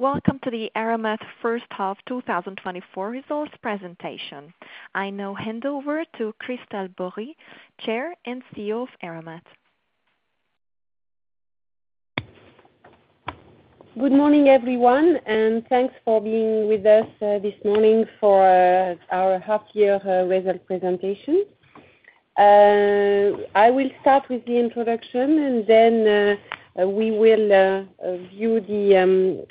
Welcome to the Eramet first half 2024 results presentation. I now hand over to Christel Bories, Chair and CEO of Eramet. Good morning, everyone, and thanks for being with us this morning for our half year result presentation. I will start with the introduction and then we will review the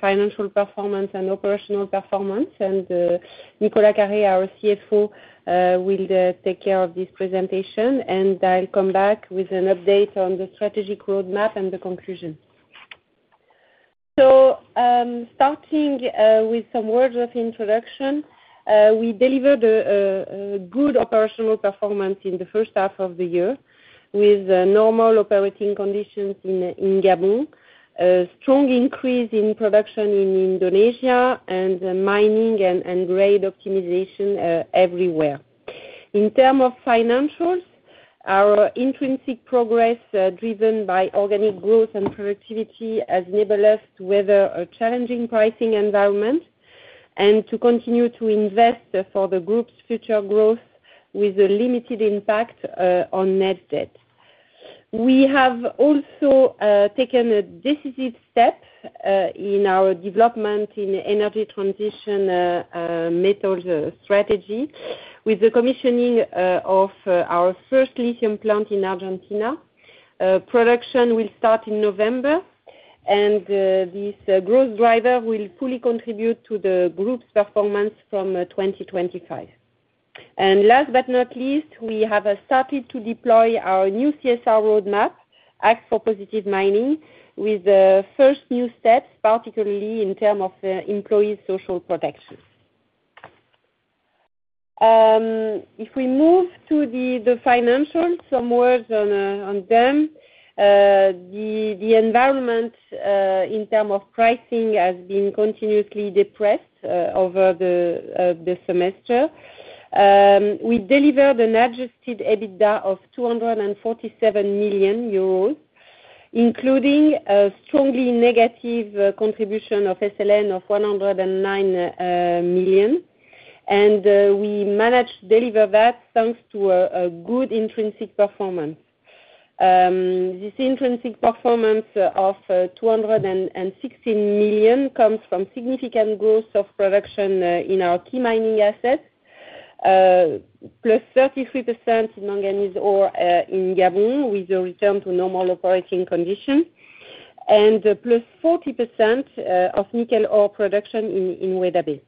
financial performance and operational performance. And Nicolas Carré, our CFO, will take care of this presentation, and I'll come back with an update on the strategic roadmap and the conclusion. So, starting with some words of introduction, we delivered a good operational performance in the first half of the year, with normal operating conditions in Gabon, a strong increase in production in Indonesia, and mining and grade optimization everywhere. In terms of financials, our intrinsic progress, driven by organic growth and productivity, has enabled us to weather a challenging pricing environment, and to continue to invest for the group's future growth with a limited impact on net debt. We have also taken a decisive step in our development in energy transition metals strategy, with the commissioning of our first lithium plant in Argentina. Production will start in November, and this growth driver will fully contribute to the group's performance from 2025. Last but not least, we have started to deploy our new CSR roadmap, Act for Positive Mining, with the first new steps, particularly in terms of employee social protection. If we move to the financials, some words on them. The environment in terms of pricing has been continuously depressed over the semester. We delivered an Adjusted EBITDA of 247 million euros, including a strongly negative contribution of SLN of 109 million. We managed to deliver that, thanks to a good intrinsic performance. This intrinsic performance of 216 million comes from significant growth of production in our key mining assets, +33% in manganese ore in Gabon, with a return to normal operating conditions, and +40% of nickel ore production in Weda Bay.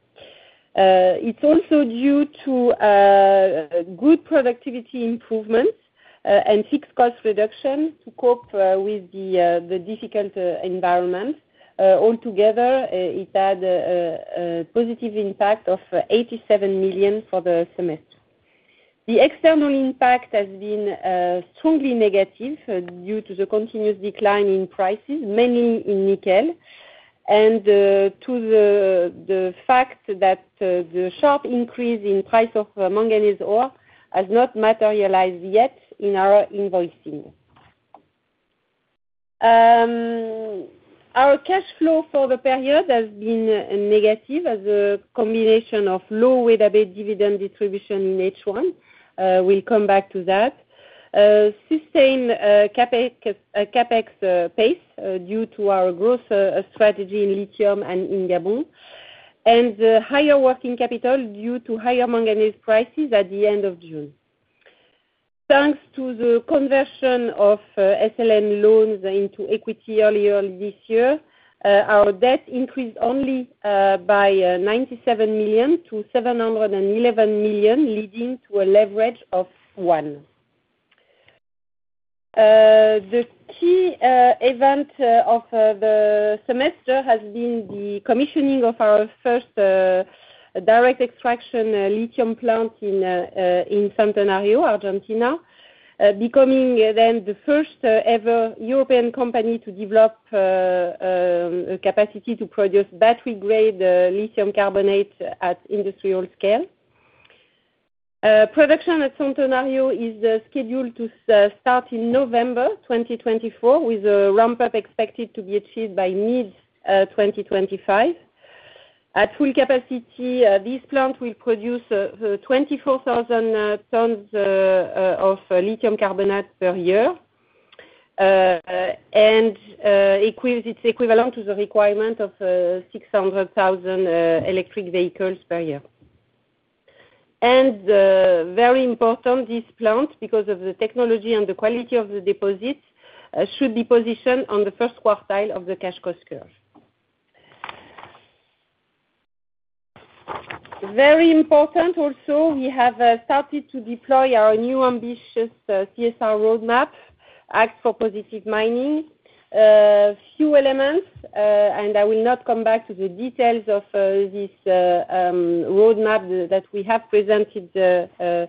It's also due to good productivity improvements and fixed cost reduction to cope with the difficult environment. Altogether, it had a positive impact of 87 million for the semester. The external impact has been strongly negative due to the continuous decline in prices, mainly in nickel, and to the fact that the sharp increase in price of manganese ore has not materialized yet in our invoicing. Our cash flow for the period has been negative, as a combination of low Weda Bay dividend distribution in H1. We'll come back to that. Sustained CapEx pace due to our growth strategy in lithium and in Gabon, and higher working capital due to higher manganese prices at the end of June. Thanks to the conversion of SLN loans into equity earlier this year, our debt increased only by 97 million to 711 million, leading to a leverage of one. The key event of the semester has been the commissioning of our first direct extraction lithium plant in in Centenario, Argentina, becoming then the first-ever European company to develop a capacity to produce battery-grade lithium carbonate at industrial scale. Production at Centenario is scheduled to start in November 2024, with a ramp-up expected to be achieved by mid 2025. At full capacity, this plant will produce 24,000 tons of lithium carbonate per year. It's equivalent to the requirement of 600,000 electric vehicles per year. Very important, this plant, because of the technology and the quality of the deposits, should be positioned on the first quartile of the cash cost curve. Very important also, we have started to deploy our new ambitious CSR roadmap, Act for Positive Mining. Few elements, and I will not come back to the details of this roadmap that we have presented at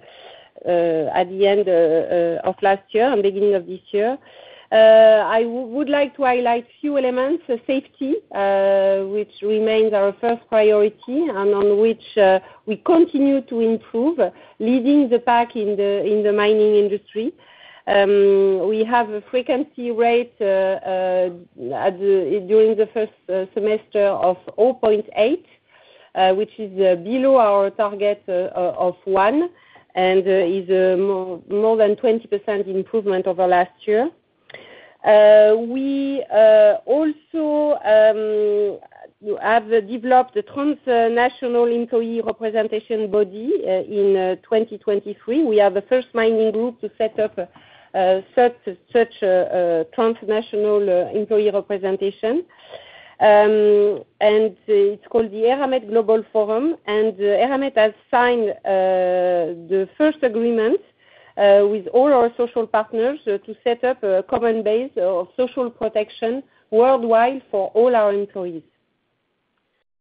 the end of last year and beginning of this year. I would like to highlight few elements: safety, which remains our first priority, and on which we continue to improve, leading the pack in the mining industry. We have a frequency rate during the first semester of 0.8, which is below our target of one, and is more than 20% improvement over last year. We also have developed a transnational employee representation body in 2023. We are the first mining group to set up such transnational employee representation. And it's called the Eramet Global Forum, and Eramet has signed the first agreement with all our social partners to set up a common base of social protection worldwide for all our employees.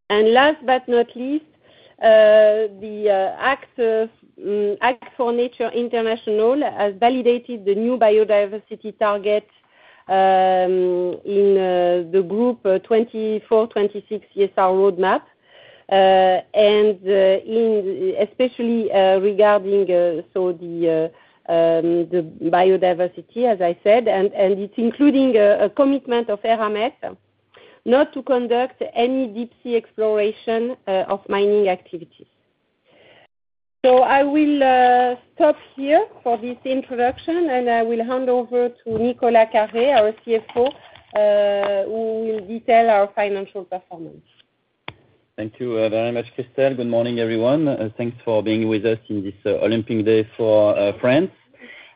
And last but not least, Act for Nature International has validated the new biodiversity target in the group 2024-2026 CSR roadmap, and especially regarding the biodiversity, as I said, and it's including a commitment of Eramet not to conduct any deep sea exploration or mining activities. So I will stop here for this introduction, and I will hand over to Nicolas Carré, our CFO, who will detail our financial performance. Thank you, very much, Christel. Good morning, everyone, thanks for being with us in this Olympic Day for France.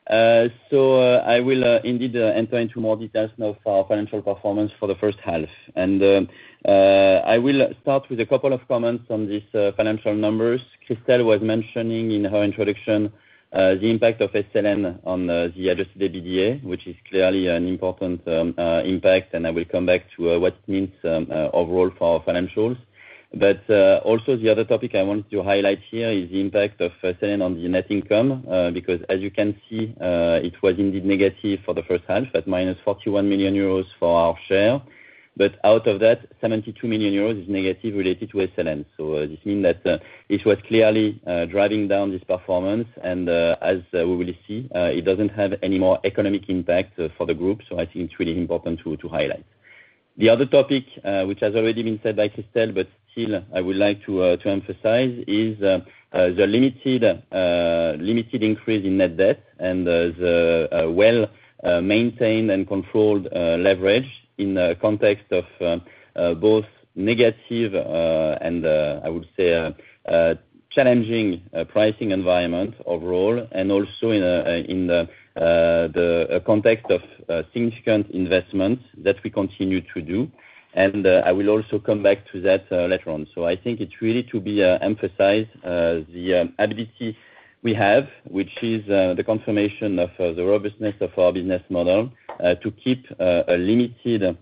I will indeed enter into more details now for our financial performance for the first half. I will start with a couple of comments on this financial numbers. Christel was mentioning in her introduction the impact of SLN on the Adjusted EBITDA, which is clearly an important impact, and I will come back to what it means overall for our financials. Also the other topic I wanted to highlight here is the impact of SLN on the net income, because as you can see, it was indeed negative for the first half, at -41 million euros for our share. But out of that, 72 million euros is negative related to SLN. So this mean that it was clearly driving down this performance, and as we will see it doesn't have any more economic impact for the group. So I think it's really important to highlight. The other topic, which has already been said by Christel, but still I would like to emphasize, is the limited increase in net debt and the well maintained and controlled leverage in the context of both negative and I would say challenging pricing environment overall, and also in the context of significant investments that we continue to do. And I will also come back to that later on. So I think it's really to be emphasized the ability we have, which is the confirmation of the robustness of our business model to keep a limited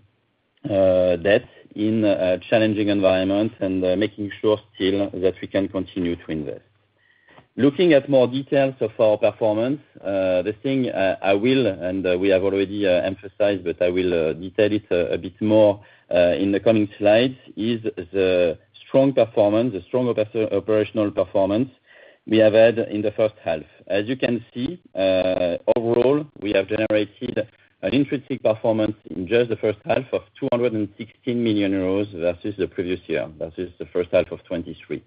debt in a challenging environment, and making sure still that we can continue to invest. Looking at more details of our performance, the thing I will, and we have already emphasized, but I will detail it a bit more in the coming slides, is the strong performance, the strong operational performance we have had in the first half. As you can see, overall, we have generated an intrinsic performance in just the first half of 216 million euros versus the previous year, versus the first half of 2023.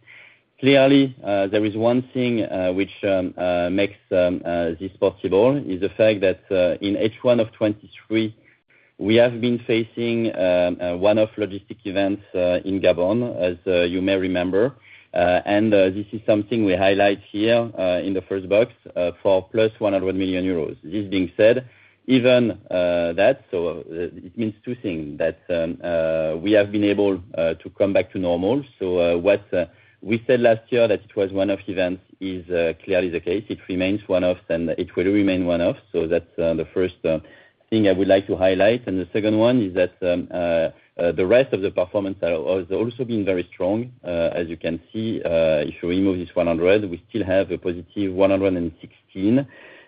Clearly, there is one thing which makes this possible, is the fact that in H1 of 2023, we have been facing one-off logistic events in Gabon, as you may remember. And this is something we highlight here in the first box for +100 million euros. This being said, even that, so it means two things: That we have been able to come back to normal. So, what we said last year, that it was one-off event is clearly the case. It remains one-off, and it will remain one-off. So that's the first thing I would like to highlight. And the second one is that the rest of the performance has also been very strong. As you can see, if you remove this 100, we still have a +116,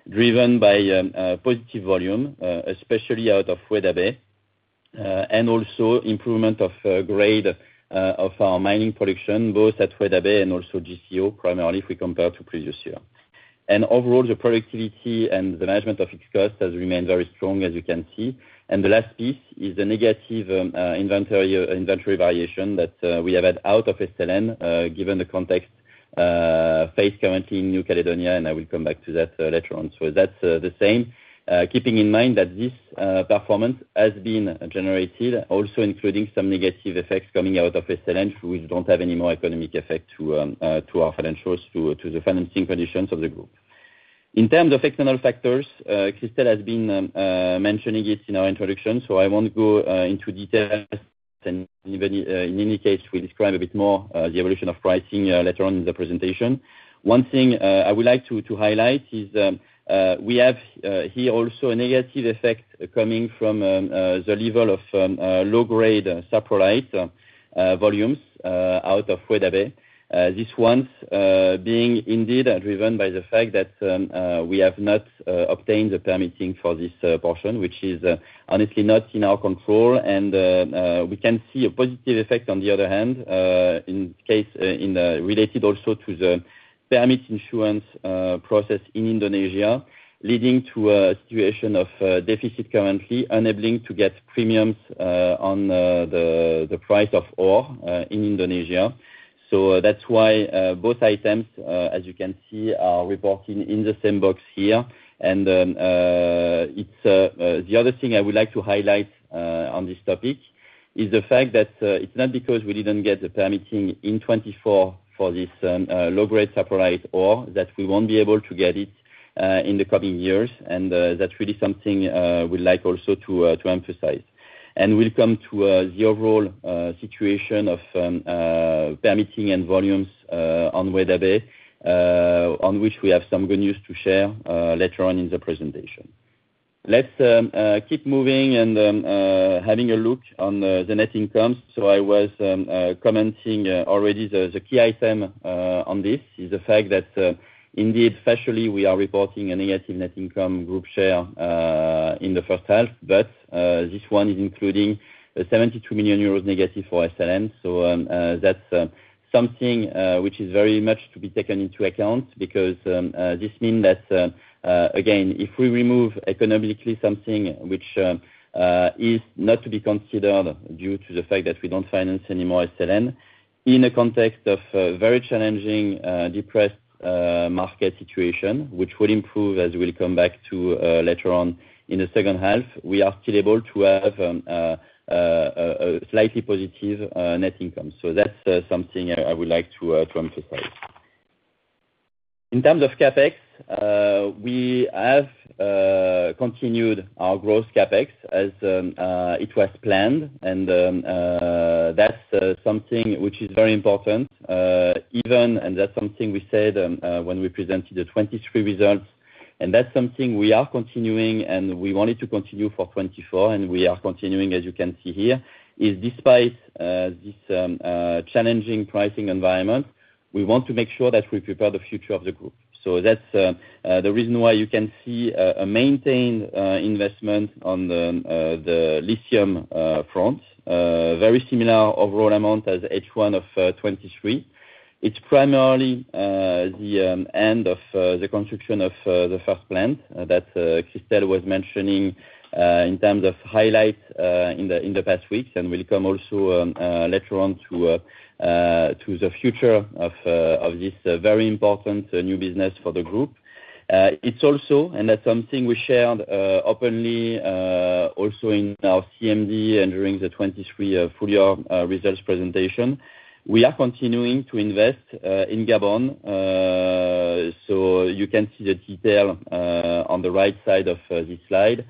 driven by positive volume, especially out of Weda Bay. And also improvement of grade of our mining production, both at Weda Bay and also GCO, primarily if we compare to previous year. And overall, the productivity and the management of its cost has remained very strong, as you can see. And the last piece is the negative inventory variation that we have had out of SLN, given the context faced currently in New Caledonia, and I will come back to that later on. So that's the same. Keeping in mind that this performance has been generated also including some negative effects coming out of SLN, which don't have any more economic effect to our financials, to the financing conditions of the group. In terms of external factors, Christel has been mentioning it in our introduction, so I won't go into detail. Then in any case, we describe a bit more the evolution of pricing later on in the presentation. One thing I would like to highlight is we have here also a negative effect coming from the level of low grade saprolite volumes out of Weda Bay. This one being indeed driven by the fact that we have not obtained the permitting for this portion, which is honestly not in our control, and we can see a positive effect on the other hand related also to the permit issuance process in Indonesia, leading to a situation of deficit currently, enabling to get premiums on the price of ore in Indonesia. So that's why both items, as you can see, are reporting in the same box here. It's the other thing I would like to highlight on this topic is the fact that it's not because we didn't get the permitting in 2024 for this low-grade saprolite ore that we won't be able to get it in the coming years, and that's really something we'd like also to emphasize. We'll come to the overall situation of permitting and volumes on Weda Bay on which we have some good news to share later on in the presentation. Let's keep moving and having a look on the net income. So I was commenting already the key item on this is the fact that indeed, especially, we are reporting a negative net income Group share in the first half, but this one is including a 72 million euros negative for SLN. So that's something which is very much to be taken into account, because this mean that again, if we remove economically something which is not to be considered due to the fact that we don't finance anymore SLN, in a context of very challenging depressed market situation, which will improve as we'll come back to later on in the second half, we are still able to have a slightly positive net income. So that's something I would like to emphasize. In terms of CapEx, we have continued our growth CapEx as it was planned, and that's something which is very important, even, and that's something we said when we presented the 2023 results, and that's something we are continuing, and we wanted to continue for 2024, and we are continuing, as you can see here, despite this challenging pricing environment, we want to make sure that we prepare the future of the group. So that's the reason why you can see a maintained investment on the the lithium front. Very similar overall amount as H1 of 2023. It's primarily the end of the construction of the first plant that Christel was mentioning in terms of highlights in the past weeks, and we'll come also later on to the future of this very important new business for the group. It's also, and that's something we shared openly also in our CMD and during the 2023 full year results presentation, we are continuing to invest in Gabon. So you can see the detail on the right side of this slide.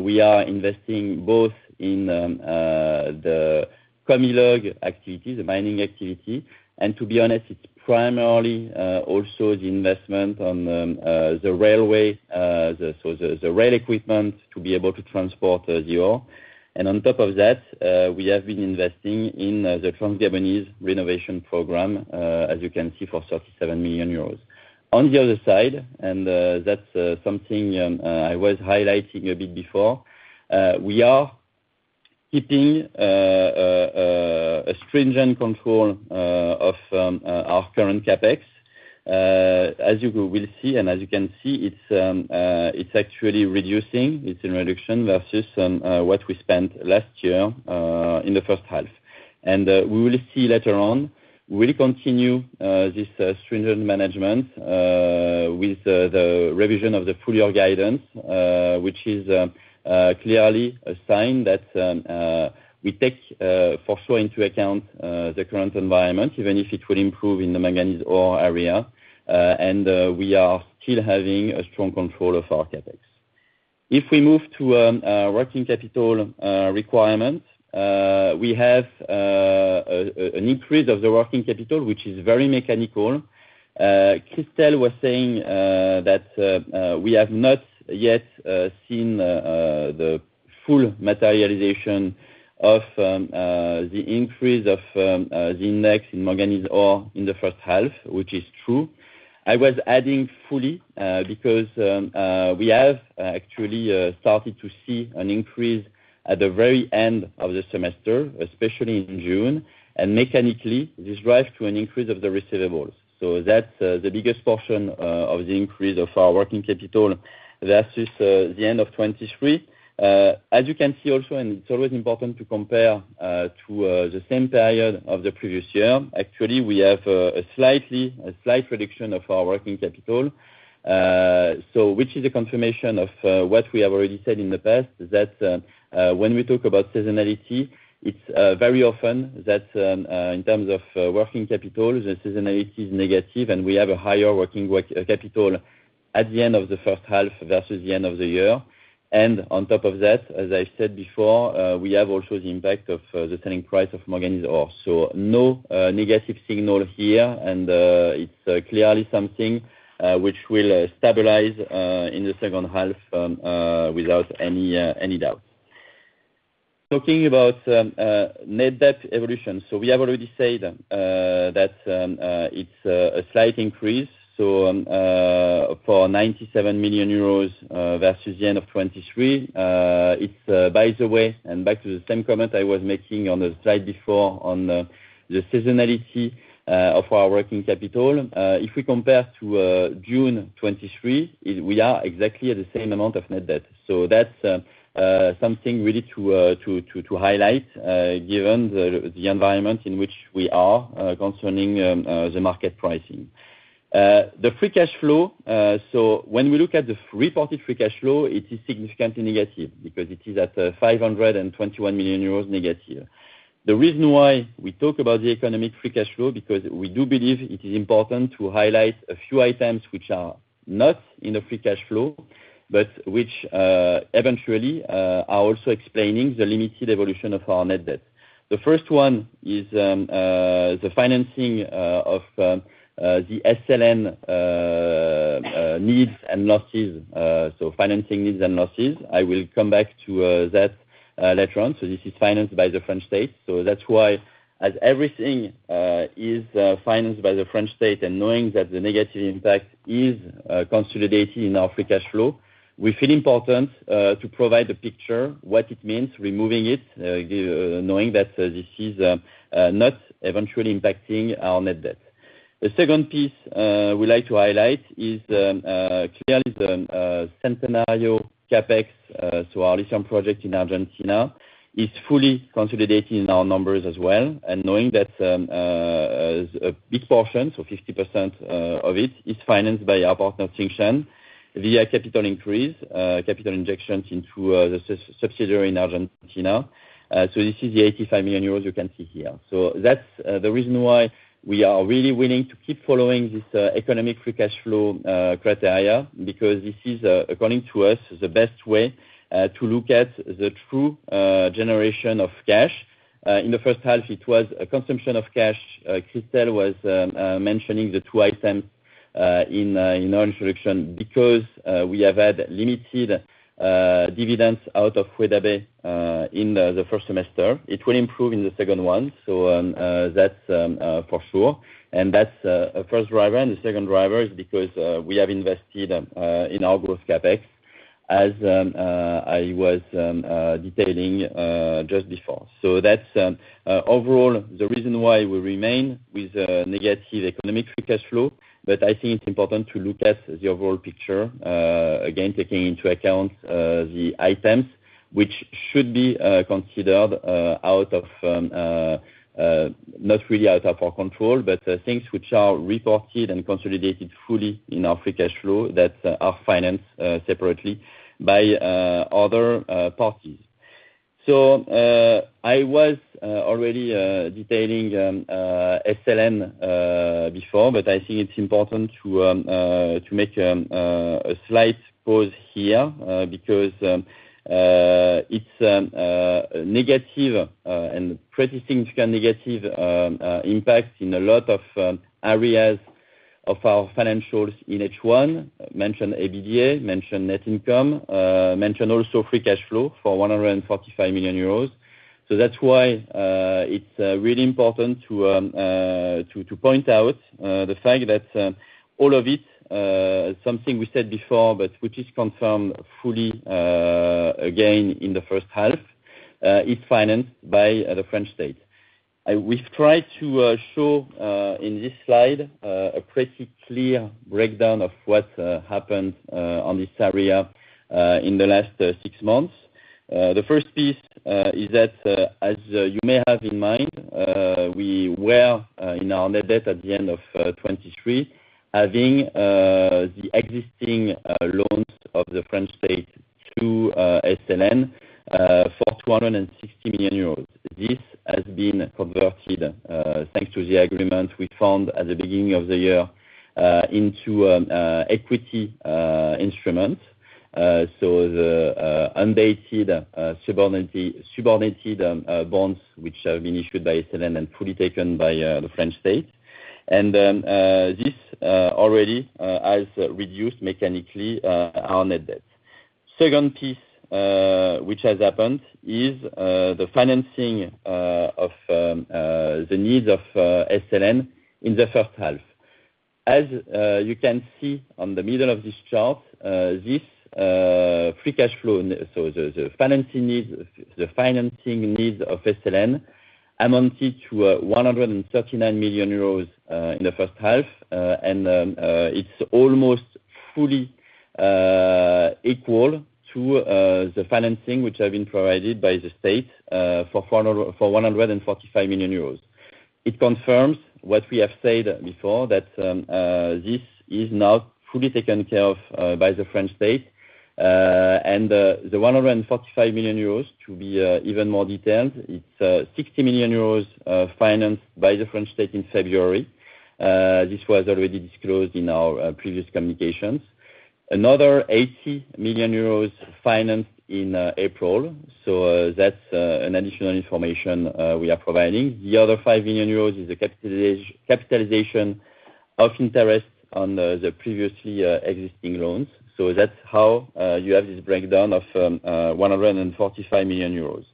We are investing both in the Comilog activity, the mining activity, and to be honest, it's primarily also the investment on the railway, so the rail equipment to be able to transport the ore. And on top of that, we have been investing in the Transgabonese renovation program, as you can see, for 37 million euros. On the other side, that's something I was highlighting a bit before, we are keeping a stringent control of our current CapEx. As you will see, and as you can see, it's actually reducing, it's in reduction versus what we spent last year in the first half. We will see later on, we'll continue this stringent management with the revision of the full year guidance, which is clearly a sign that we take for sure into account the current environment, even if it will improve in the manganese ore area, and we are still having a strong control of our CapEx. If we move to working capital requirement, we have an increase of the working capital, which is very mechanical. Christel was saying that we have not yet seen the full materialization of the increase of the index in manganese ore in the first half, which is true. I was adding fully, because we have actually started to see an increase at the very end of the semester, especially in June, and mechanically, this drive to an increase of the receivables. So that's the biggest portion of the increase of our working capital versus the end of 2023. As you can see also, and it's always important to compare to the same period of the previous year, actually, we have a slight reduction of our working capital. So which is a confirmation of what we have already said in the past, that when we talk about seasonality, it's very often that in terms of working capital, the seasonality is negative, and we have a higher working capital. At the end of the first half versus the end of the year, and on top of that, as I said before, we have also the impact of the selling price of manganese ore. So no negative signal here, and it's clearly something which will stabilize in the second half without any doubt. Talking about net debt evolution, so we have already said that it's a slight increase, so for 97 million euros versus the end of 2023, it's by the way, and back to the same comment I was making on the slide before on the seasonality of our working capital, if we compare to June 2023, we are exactly at the same amount of net debt. So that's something really to highlight, given the environment in which we are concerning the market pricing. The free cash flow, so when we look at the reported free cash flow, it is significantly negative because it is at -521 million euros. The reason why we talk about the economic free cash flow, because we do believe it is important to highlight a few items which are not in the free cash flow, but which eventually are also explaining the limited evolution of our net debt. The first one is the financing of the SLN needs and losses, so financing needs and losses. I will come back to that later on. So this is financed by the French state, so that's why as everything is financed by the French state and knowing that the negative impact is consolidated in our free cash flow, we feel important to provide a picture what it means removing it, knowing that this is not eventually impacting our net debt. The second piece we like to highlight is clearly the Centenario CapEx, so our lithium project in Argentina, is fully consolidated in our numbers as well. And knowing that a big portion, so 50%, of it, is financed by our partner, Tsingshan, via capital increase, capital injections into the sub-subsidiary in Argentina. So this is the 85 million euros you can see here. So that's the reason why we are really willing to keep following this economic free cash flow criteria, because this is according to us, the best way to look at the true generation of cash. In the first half, it was a consumption of cash. Christel was mentioning the two items in our introduction, because we have had limited dividends out of Weda Bay in the first semester. It will improve in the second one, so that's for sure. And that's a first driver, and the second driver is because we have invested in our growth CapEx, as I was detailing just before. So that's overall the reason why we remain with a negative economic free cash flow, but I think it's important to look at the overall picture again, taking into account the items which should be considered not really out of our control, but things which are reported and consolidated fully in our free cash flow that are financed separately by other parties. So, I was already detailing SLN before, but I think it's important to make a slight pause here, because it's negative and pretty significant negative impact in a lot of areas of our financials in H1, mention EBITDA, mention net income, mention also free cash flow for 145 million euros. So that's why, it's really important to, to point out the fact that, all of it, something we said before, but which is confirmed fully again, in the first half, is financed by the French state. We've tried to show in this slide a pretty clear breakdown of what happened on this area in the last six months. The first piece is that, as you may have in mind, we were in our net debt at the end of 2023, having the existing loans of the French state to SLN for 260 million euros. This has been converted, thanks to the agreement we found at the beginning of the year, into equity instrument. So the undated subordinated bonds, which have been issued by SLN and fully taken by the French state. This already has reduced mechanically our net debt. Second piece, which has happened is, the financing of the needs of SLN in the first half. As you can see on the middle of this chart, this free cash flow, so the financing needs, the financing needs of SLN amounted to 139 million euros in the first half. And it's almost fully equal to the financing which have been provided by the state for 400-- for 145 million euros. It confirms what we have said before, that this is now fully taken care of by the French state. And the 145 million euros to be even more detailed, it's 60 million euros financed by the French state in February. This was already disclosed in our previous communications. Another 80 million euros financed in April, so that's an additional information we are providing. The other 5 million euros is a capitalization of interest on the previously existing loans. So that's how you have this breakdown of 145 million euros.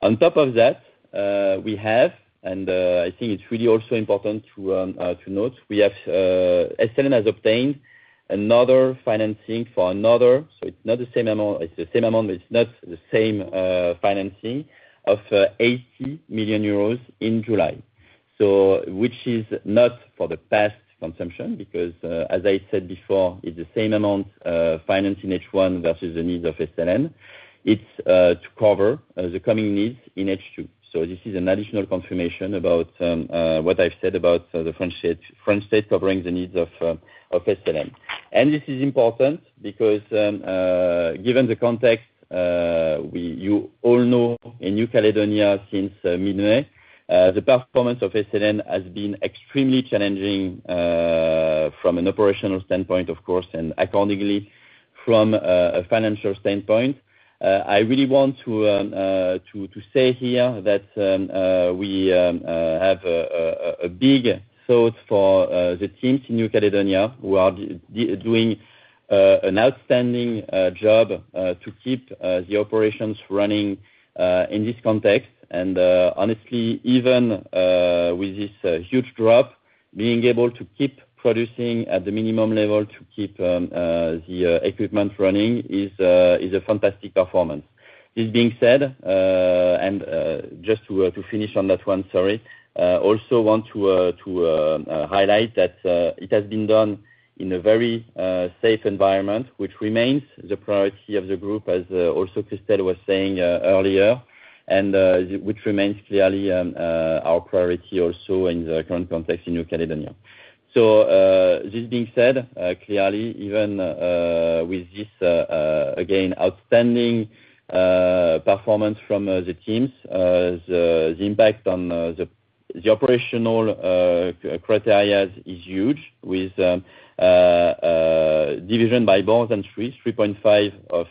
On top of that, we have, and I think it's really also important to note, we have, SLN has obtained another financing for another, so it's not the same amount, it's the same amount, but it's not the same financing of 80 million euros in July. So which is not for the past consumption, because as I said before, it's the same amount financed in H1 versus the needs of SLN. It's to cover the coming needs in H2. This is an additional confirmation about what I've said about the French state, French state covering the needs of SLN. This is important because, given the context, you all know in New Caledonia since mid-May the performance of SLN has been extremely challenging from an operational standpoint, of course, and accordingly, from a financial standpoint. I really want to say here that we have a big thought for the teams in New Caledonia who are doing an outstanding job to keep the operations running in this context. Honestly, even with this huge drop, being able to keep producing at the minimum level to keep the equipment running is a fantastic performance. This being said, and just to finish on that one, sorry, also want to highlight that it has been done in a very safe environment, which remains the priority of the group as also Christel was saying earlier, and which remains clearly our priority also in the current context in New Caledonia. So, this being said, clearly, even with this, again, outstanding performance from the teams, the impact on the operational criteria is huge with division by more than 3.5 of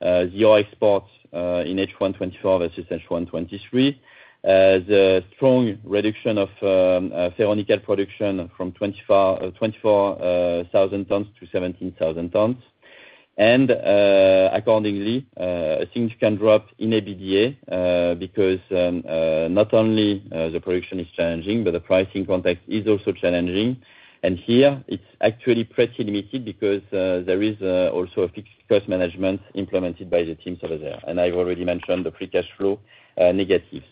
the ore exports in H1 2024 versus H1 2023. The strong reduction of ferronickel production from 24,000 tons to 17,000 tons. And, accordingly, things can drop in EBITDA, because not only the production is challenging, but the pricing context is also challenging. And here, it's actually pretty limited because there is also a fixed cost management implemented by the teams over there. And I've already mentioned the free cash flow, negative.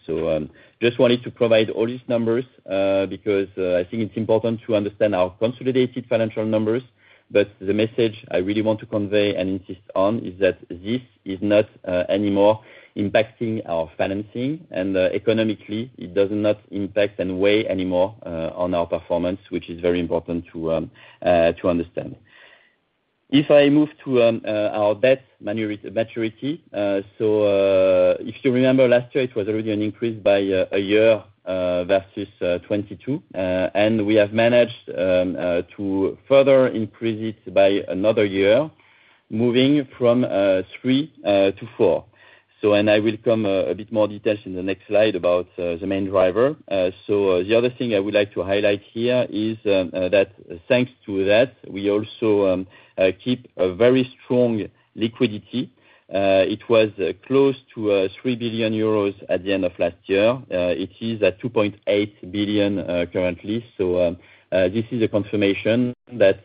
Just wanted to provide all these numbers because I think it's important to understand our consolidated financial numbers. But the message I really want to convey and insist on is that this is not anymore impacting our financing, and economically, it does not impact and weigh anymore on our performance, which is very important to understand. If I move to our debt maturity, if you remember last year, it was already an increase by a year versus 2022. And we have managed to further increase it by another year, moving from three to four. I will come to a bit more details in the next slide about the main driver. So the other thing I would like to highlight here is, that thanks to that, we also keep a very strong liquidity. It was close to 3 billion euros at the end of last year. It is at 2.8 billion currently. So this is a confirmation that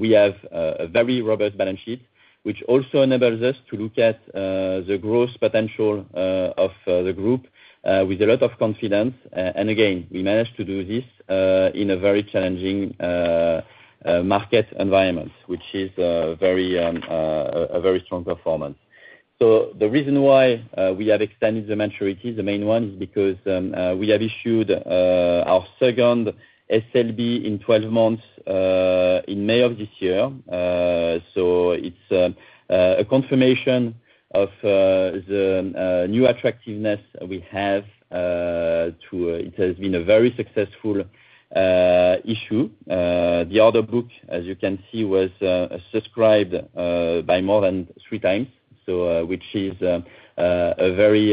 we have a very robust balance sheet, which also enables us to look at the growth potential of the group with a lot of confidence. And again, we managed to do this in a very challenging market environment, which is a very strong performance. So the reason why we have extended the maturity, the main one, is because we have issued our second SLB in 12 months, in May of this year. It's a confirmation of the new attractiveness we have. It has been a very successful issue. The order book, as you can see, was subscribed by more than 3x. Which is a very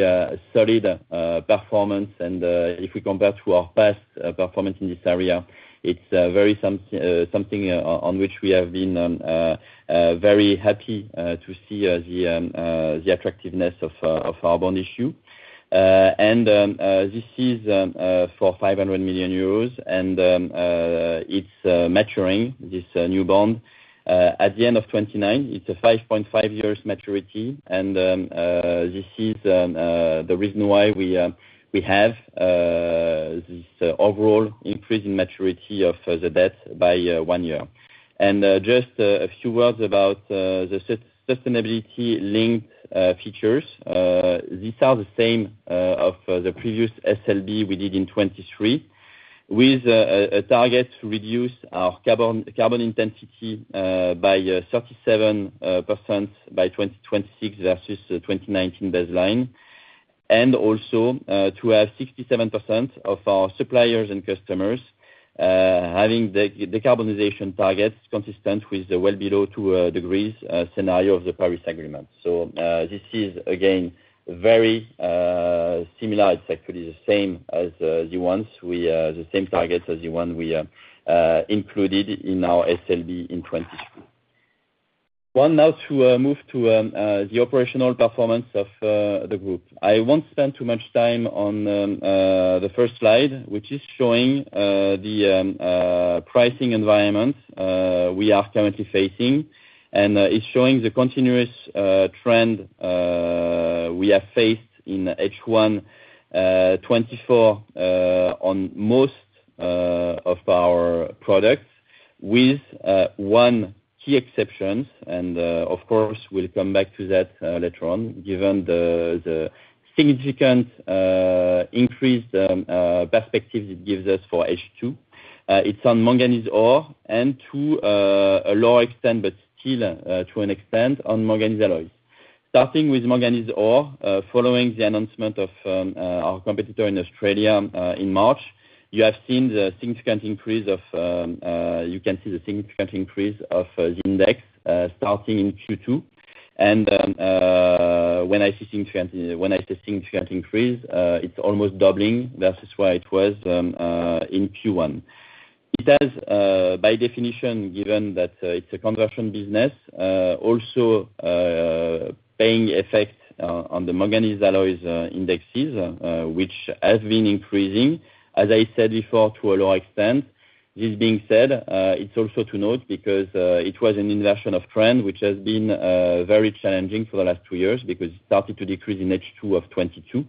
solid performance. And if we compare to our past performance in this area, it's very something on which we have been very happy to see the attractiveness of our bond issue. And this is for 500 million euros, and it's maturing this new bond at the end of 2029. It's a 5.5-year maturity and this is the reason why we have this overall increase in maturity of the debt by one year. And just a few words about the sustainability-linked features. These are the same of the previous SLB we did in 2023. with a target to reduce our carbon intensity by 37% by 2026 versus 2019 baseline, and also to have 67% of our suppliers and customers having the decarbonization targets consistent with the well below two degrees scenario of the Paris Agreement. So this is again very similar. It's actually the same as the same target as the one we included in our SLB in 2022. Well, now to move to the operational performance of the group. I won't spend too much time on the first slide, which is showing the pricing environment we are currently facing, and it's showing the continuous trend we have faced in H1 2024 on most of our products with one key exception, and of course, we'll come back to that later on, given the significant increased perspectives it gives us for H2. It's on manganese ore, and to a lower extent, but still, to an extent, on manganese alloys. Starting with manganese ore, following the announcement of our competitor in Australia in March, you have seen the significant increase of, you can see the significant increase of the index starting in Q2. When I see significant increase, it's almost doubling versus where it was in Q1. It has, by definition, given that it's a conversion business, also paying effect on the manganese alloys indexes, which has been increasing, as I said before, to a lower extent. This being said, it's also to note because it was an inversion of trend, which has been very challenging for the last two years, because it started to decrease in H2 of 2022.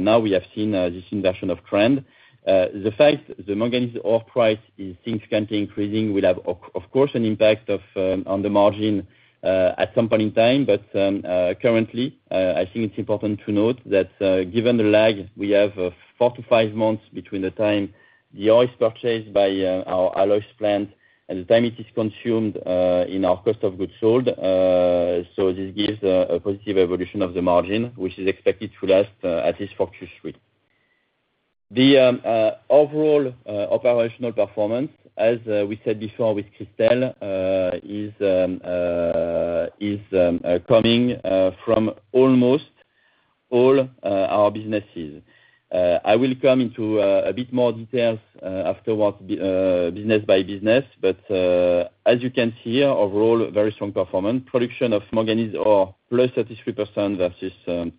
Now we have seen this inversion of trend. The fact the manganese ore price is significantly increasing will have, of course, an impact on the margin at some point in time. Currently, I think it's important to note that, given the lag, we have four to five months between the time the ore is purchased by our alloys plant and the time it is consumed in our cost of goods sold. So this gives a positive evolution of the margin, which is expected to last at least for Q3. The overall operational performance, as we said before with Christel, is coming from almost all our businesses. I will come into a bit more details after business by business, but as you can see here, overall, very strong performance. Production of manganese ore, +33% versus H1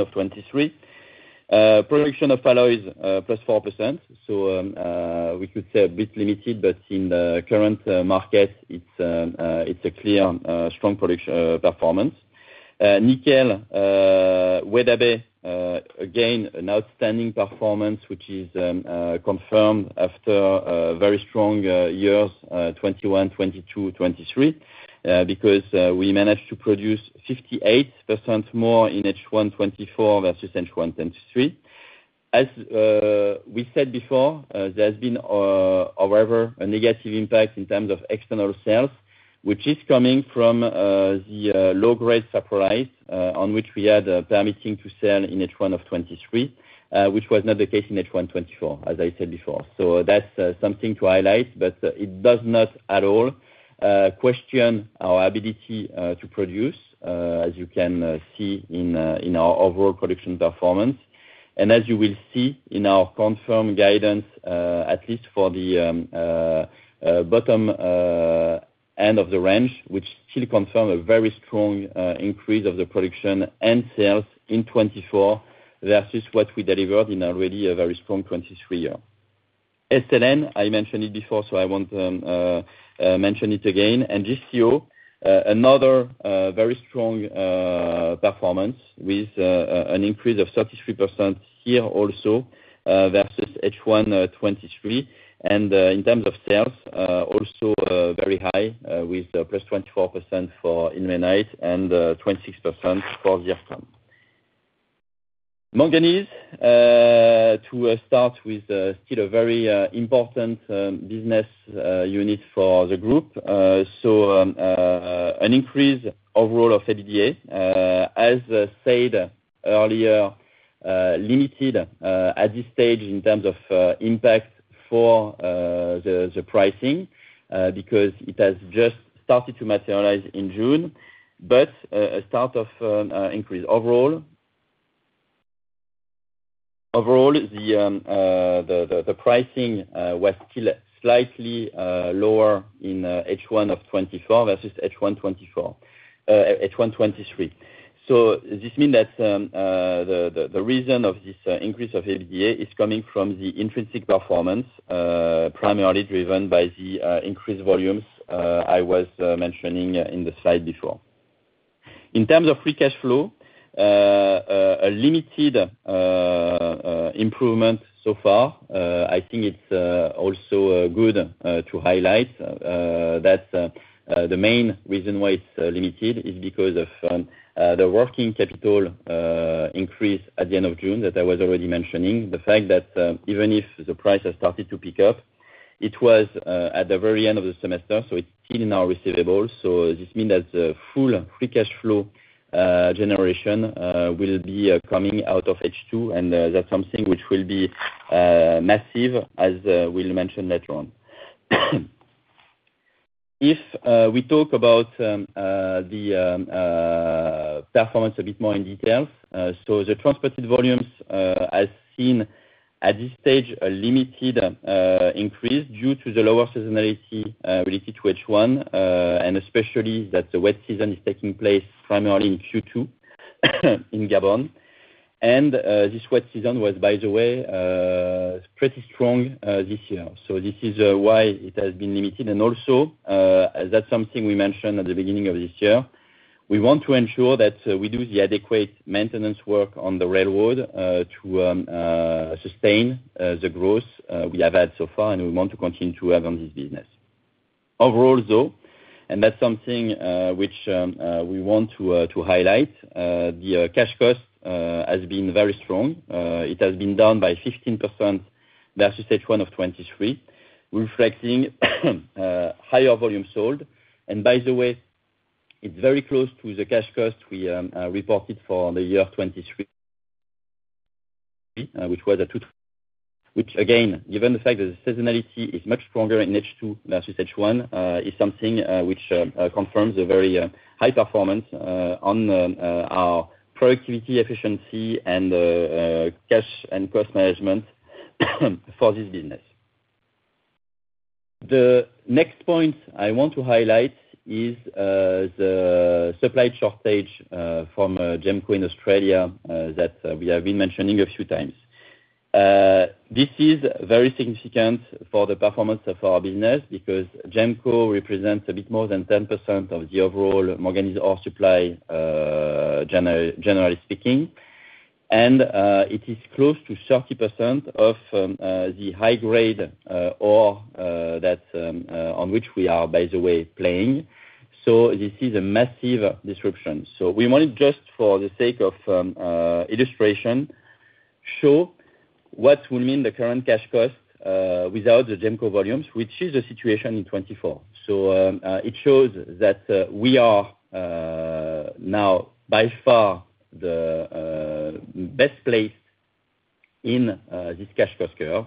of 2023. Production of alloy is +4%, so we could say a bit limited, but in the current market, it's a clear strong production performance. Nickel, Weda Bay, again, an outstanding performance, which is confirmed after very strong years 2021, 2022, 2023. Because we managed to produce 58% more in H1 2024 versus H1 2023. As we said before, there's been however a negative impact in terms of external sales, which is coming from the low-grade surplus, on which we had permission to sell in H1 of 2023, which was not the case in H1 2024, as I said before. So that's something to highlight, but it does not at all question our ability to produce, as you can see in our overall production performance. And as you will see in our confirmed guidance, at least for the bottom end of the range, which still confirm a very strong increase of the production and sales in 2024 versus what we delivered in already a very strong 2023 year. SLN, I mentioned it before, so I won't mention it again. And GCO, another very strong performance with an increase of 33% here also, versus H1 2023. And in terms of sales, also very high, with +24% for ilmenite and 26% for zircon. Manganese, to start with, still a very important business unit for the group. So, an increase overall of EBITDA, as said earlier, limited at this stage in terms of impact for the pricing, because it has just started to materialize in June, but a start of increase. Overall, the pricing was still slightly lower in H1 of 2024 versus H1 2023. So this mean that, the reason of this increase of EBITDA is coming from the intrinsic performance, primarily driven by the increased volumes I was mentioning in the slide before. In terms of free cash flow, a limited improvement so far. I think it's also good to highlight that the main reason why it's limited is because of the working capital increase at the end of June, that I was already mentioning. The fact that even if the price has started to pick up. It was at the very end of the semester, so it's still in our receivables, so this mean that the full free cash flow generation will be coming out of H2, and that's something which will be massive, as we'll mention later on. If we talk about the performance a bit more in detail, so the transported volumes, as seen at this stage, are limited, increased due to the lower seasonality related to H1, and especially that the wet season is taking place primarily in Q2, in Gabon. This wet season was, by the way, pretty strong this year. So this is why it has been limited, and also, that's something we mentioned at the beginning of this year. We want to ensure that we do the adequate maintenance work on the railroad to sustain the growth we have had so far, and we want to continue to have on this business. Overall, though, and that's something which we want to highlight, the cash cost has been very strong. It has been down by 15% versus H1 of 2023, reflecting higher volume sold. And by the way, it's very close to the cash cost we reported for the year 2023, which again, given the fact that the seasonality is much stronger in H2 versus H1, is something which confirms a very high performance on our productivity, efficiency, and cash and cost management for this business. The next point I want to highlight is the supply shortage from GEMCO in Australia that we have been mentioning a few times. This is very significant for the performance of our business, because GEMCO represents a bit more than 10% of the overall manganese ore supply, generally speaking, and it is close to 30% of the high grade ore that on which we are, by the way, playing. So this is a massive disruption. So we want to, just for the sake of illustration, show what will mean the current cash cost without the GEMCO volumes, which is the situation in 2024. So it shows that we are now by far the best place in this cash cost curve,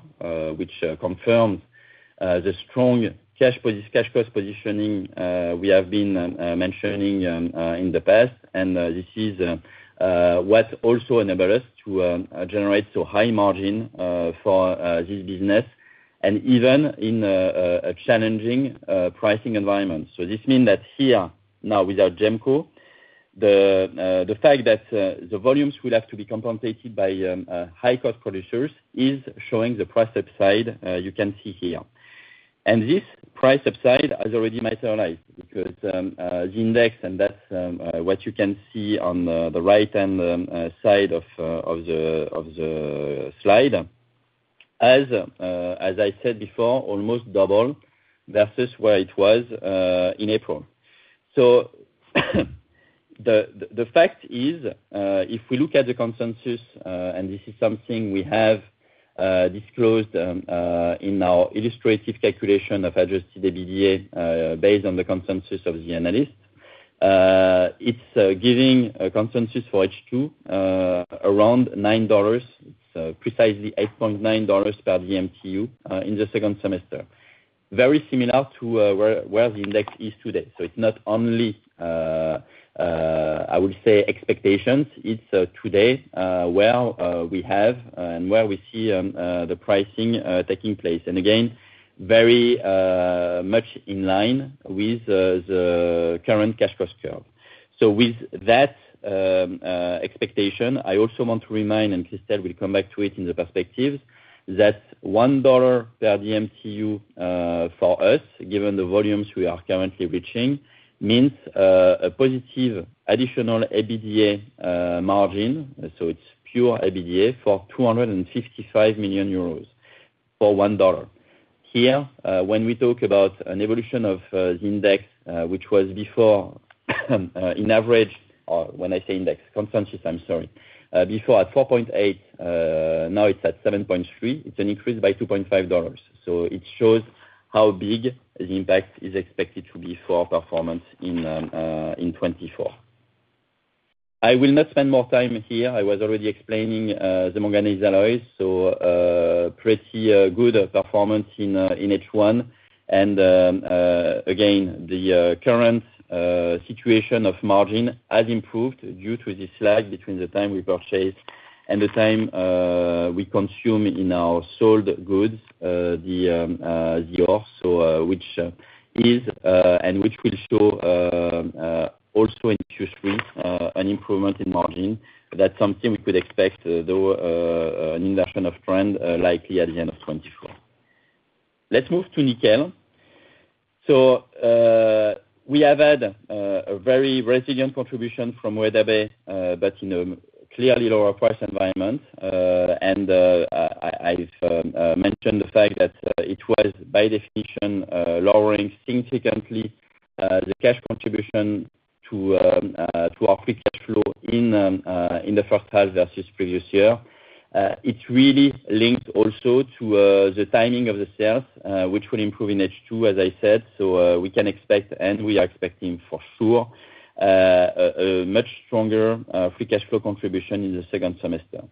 which confirms the strong cash cost positioning we have been mentioning in the past. This is what also enable us to generate so high margin for this business, and even in a challenging pricing environment. So this mean that here, now, without GEMCO, the fact that the volumes will have to be compensated by high cost producers is showing the price upside you can see here. And this price upside has already materialized because the index, and that's what you can see on the right-hand side of the slide. As I said before, almost double versus where it was in April. So the fact is, if we look at the consensus, and this is something we have disclosed, in our illustrative calculation of Adjusted EBITDA, based on the consensus of the analyst, it's giving a consensus for H2, around $9, it's precisely $8.9 per DMTU, in the second semester. Very similar to where the index is today. So it's not only, I would say, expectations, it's today, where we have, and where we see the pricing taking place. And again, very much in line with the current cash cost curve. So with that expectation, I also want to remind, and Christel will come back to it in the perspectives, that $1 per DMTU for us, given the volumes we are currently reaching, means a positive additional EBITDA margin, so it's pure EBITDA of 255 million euros for $1. Here, when we talk about an evolution of the index, which was before in average—when I say index, consensus, I'm sorry. Before at 4.8, now it's at 7.3. It's an increase by $2.5, so it shows how big the impact is expected to be for our performance in 2024. I will not spend more time here. I was already explaining the manganese alloys, so pretty good performance in H1, and again, the current situation of margin has improved due to this lag between the time we purchased and the time we consume in our sold goods, the ore. So which is and which will show also in Q3 an improvement in margin. That's something we could expect, though an induction of trend likely at the end of 2024. Let's move to nickel. So we have had a very resilient contribution from Weda Bay, but in a clearly lower price environment. And I have mentioned the fact that it was by definition lowering significantly-... The cash contribution to our free cash flow in the first half versus previous year. It's really linked also to the timing of the sales, which will improve in H2, as I said, so we can expect, and we are expecting for sure, a much stronger free cash flow contribution in the second semester.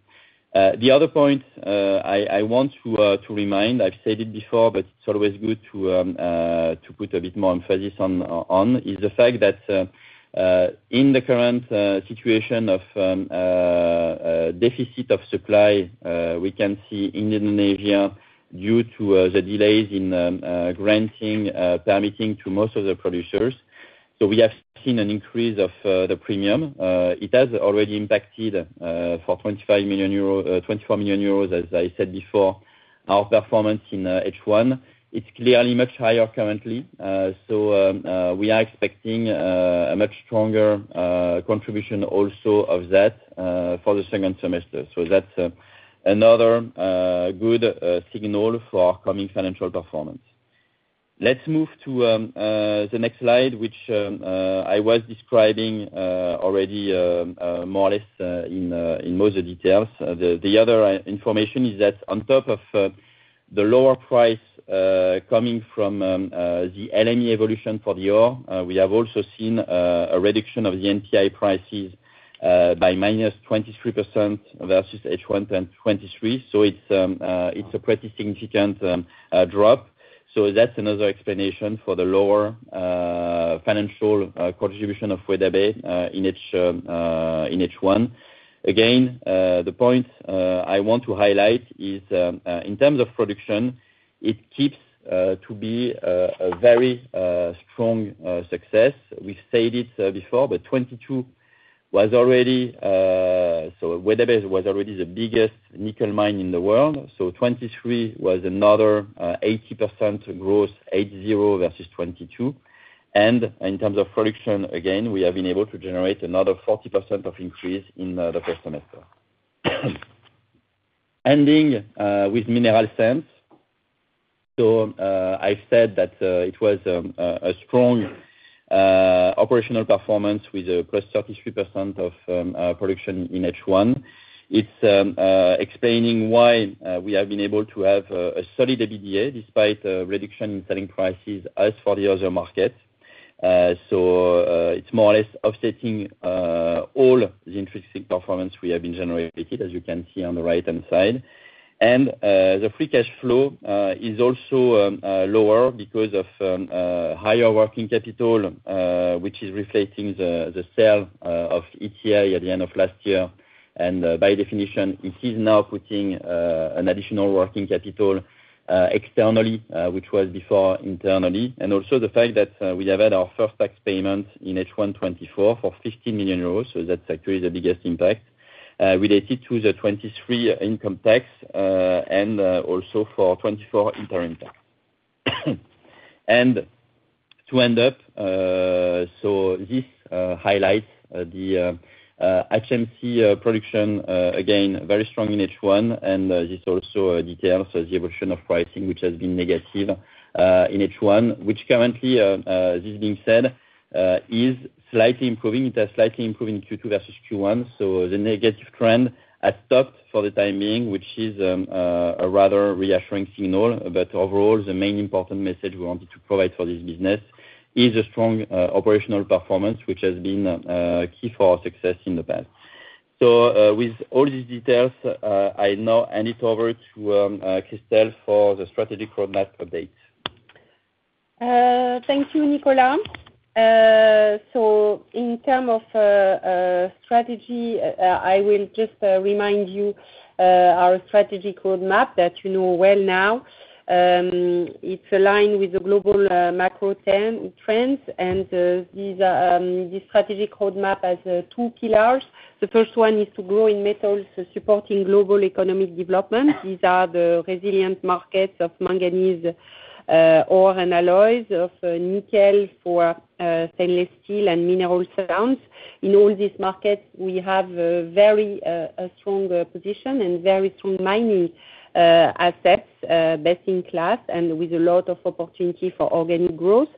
The other point, I want to remind, I've said it before, but it's always good to put a bit more emphasis on is the fact that, in the current situation of deficit of supply, we can see in Indonesia due to the delays in granting permitting to most of the producers. So we have seen an increase of the premium. It has already impacted for 24 million euros, as I said before, our performance in H1. It's clearly much higher currently. So we are expecting a much stronger contribution also of that for the second semester. So that's another good signal for our coming financial performance. Let's move to the next slide, which I was describing already more or less in most of the details. The other information is that on top of the lower price coming from the LME evolution for the ore, we have also seen a reduction of the NPI prices by -23% versus H1 2023. So it's a pretty significant drop. So that's another explanation for the lower financial contribution of Weda Bay in H1. Again, the point I want to highlight is in terms of production, it keeps to be a very strong success. We've said it before, but 2022 was already so Weda Bay was already the biggest nickel mine in the world, so 2023 was another 80% growth, 80 versus 2022. And in terms of production, again, we have been able to generate another 40% of increase in the first semester. Ending with mineral sands. So I said that it was a strong operational performance with a +33% of production in H1. It's explaining why we have been able to have a solid EBITDA, despite reduction in selling prices, as for the other markets. So, it's more or less offsetting all the intrinsic performance we have been generated, as you can see on the right-hand side. And the free cash flow is also lower because of higher working capital, which is reflecting the sale of ETI at the end of last year. And by definition, this is now putting an additional working capital externally, which was before internally. And also the fact that we have had our first tax payment in H1 2024, for 50 million euros, so that's actually the biggest impact related to the 2023 income tax, and also for 2024 interim tax. And to end up, so this highlights the HMC production again, very strong in H1, and this also details the evolution of pricing, which has been negative in H1, which currently, this being said, is slightly improving. It is slightly improving Q2 versus Q1, so the negative trend has stopped for the time being, which is a rather reassuring signal. But overall, the main important message we wanted to provide for this business is a strong operational performance, which has been key for our success in the past. So, with all these details, I now hand it over to Christel for the strategic roadmap update. Thank you, Nicolas. So in terms of strategy, I will just remind you our strategic roadmap that you know well now. It's aligned with the global macro trends, and this strategic roadmap has two pillars. The first one is to grow in metals, supporting global economic development. These are the resilient markets of manganese ore and alloys, of nickel for stainless steel and mineral sands. In all these markets, we have a very strong position and very strong mining assets, best-in-class, and with a lot of opportunity for organic growth.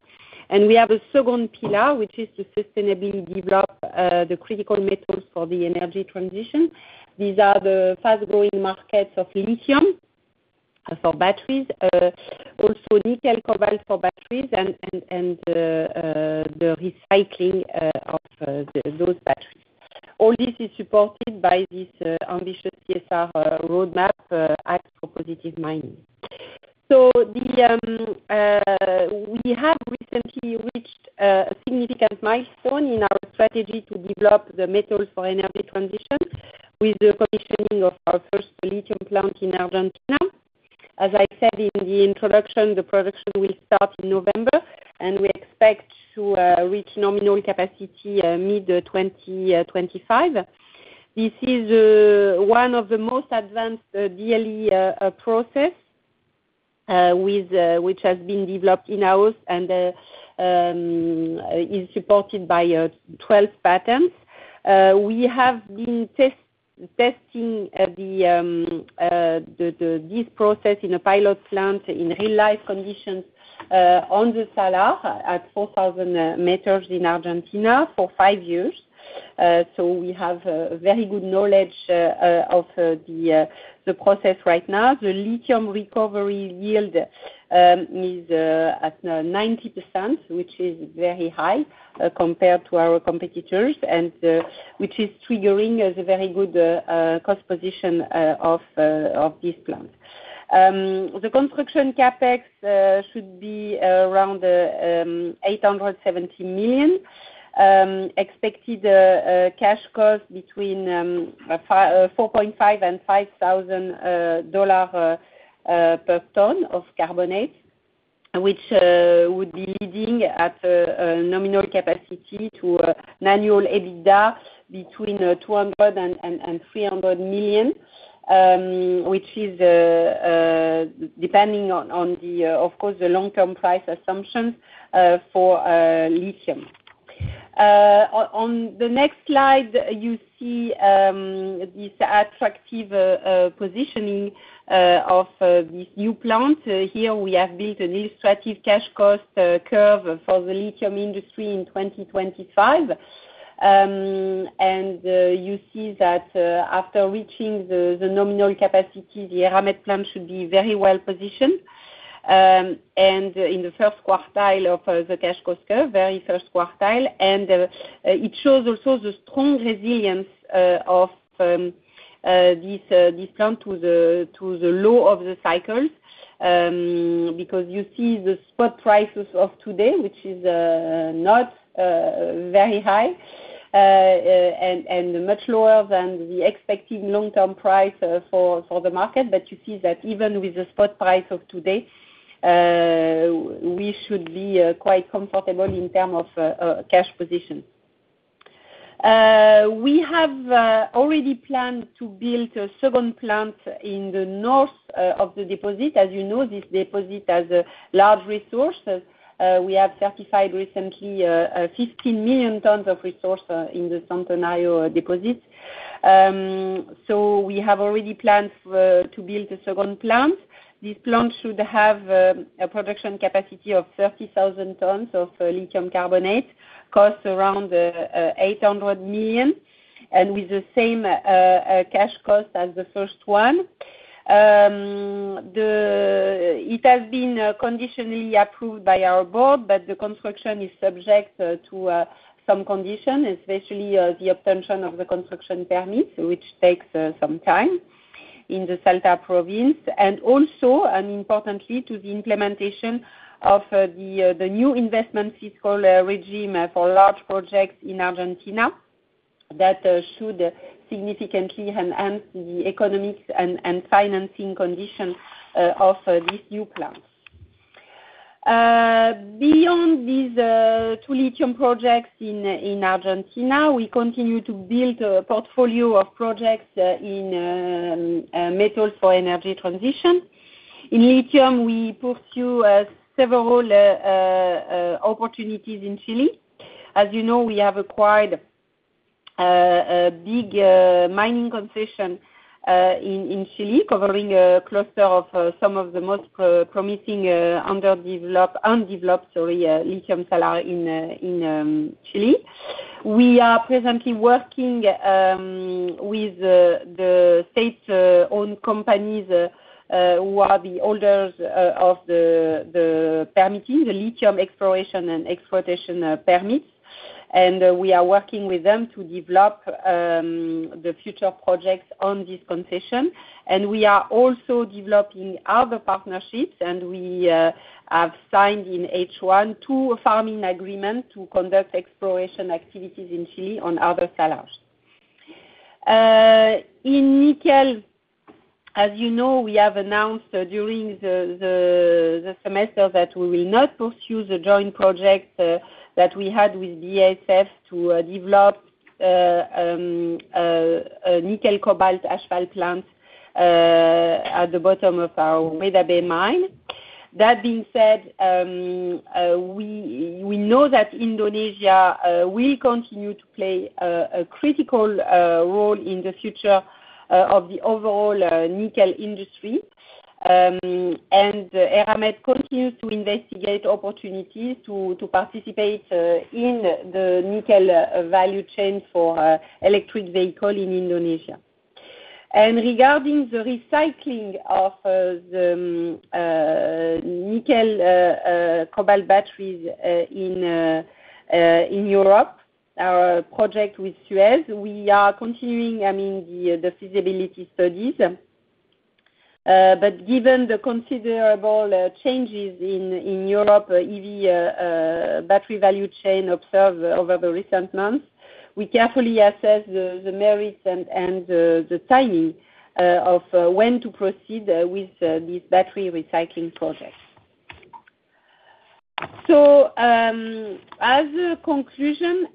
And we have a second pillar, which is to sustainably develop the critical metals for the energy transition. These are the fast-growing markets of lithium for batteries, also nickel cobalt for batteries and the recycling of those batteries. All this is supported by this ambitious CSR roadmap, act for positive mining. So we have recently reached a significant milestone in our strategy to develop the metals for energy transition, with the commissioning of our first lithium plant in Argentina. As I said in the introduction, the production will start in November, and we expect to reach nominal capacity mid-2025. This is one of the most advanced DLE process with which has been developed in-house and is supported by 12 patents... We have been testing this process in a pilot plant in real-life conditions on the Salar at 4,000 meters in Argentina for five years. So we have very good knowledge of the process right now. The lithium recovery yield is at 90%, which is very high compared to our competitors, and which is triggering a very good cost position of this plant. The construction CapEx should be around 870 million. Expected cash cost between $4,500 and $5,000 per ton of carbonate, which would be leading at a nominal capacity to annual EBITDA between $200 million and $300 million, which is depending on, of course, the long-term price assumptions for lithium. On the next slide, you see this attractive positioning of this new plant. Here we have built an illustrative cash cost curve for the lithium industry in 2025. You see that after reaching the nominal capacity, the Eramet plant should be very well positioned and in the first quartile of the cash cost curve, very first quartile. It shows also the strong resilience of this plant to the low of the cycle. Because you see the spot prices of today, which is not very high, and much lower than the expected long-term price for the market. But you see that even with the spot price of today, we should be quite comfortable in term of cash position. We have already planned to build a second plant in the north of the deposit. As you know, this deposit has a large resource. We have certified recently 15 million tons of resource in the Antofalla deposit. So we have already planned to build a second plant. This plant should have a production capacity of 30,000 tons of lithium carbonate. Costs around $800 million, and with the same cash cost as the first one. It has been conditionally approved by our board, but the construction is subject to some conditions, especially the obtaining of the construction permits, which takes some time in the Salta province. And also, and importantly, to the implementation of the new investment fiscal regime for large projects in Argentina, that should significantly enhance the economics and financing conditions of this new plant. Beyond these two lithium projects in Argentina, we continue to build a portfolio of projects in metals for energy transition. In lithium, we pursue several opportunities in Chile. As you know, we have acquired a big mining concession in Chile, covering a cluster of some of the most promising underdeveloped, undeveloped, sorry, lithium salar in Chile. We are presently working with the state-owned companies who are the holders of the permitting, the lithium exploration and exploitation permits. And we are working with them to develop the future projects on this concession. And we are also developing other partnerships, and we have signed in H1 two farm-in agreement to conduct exploration activities in Chile on other salars. In nickel, as you know, we have announced during the semester that we will not pursue the joint project that we had with BASF to develop a nickel cobalt HPAL plant at the bottom of our Weda Bay mine. That being said, we know that Indonesia will continue to play a critical role in the future of the overall nickel industry. And Eramet continues to investigate opportunities to participate in the nickel value chain for electric vehicle in Indonesia. And regarding the recycling of the nickel cobalt batteries in Europe, our project with SUEZ, we are continuing, I mean, the feasibility studies. But given the considerable changes in Europe EV battery value chain observed over the recent months, we carefully assess the merits and the timing of when to proceed with this battery recycling project. So, as a conclusion,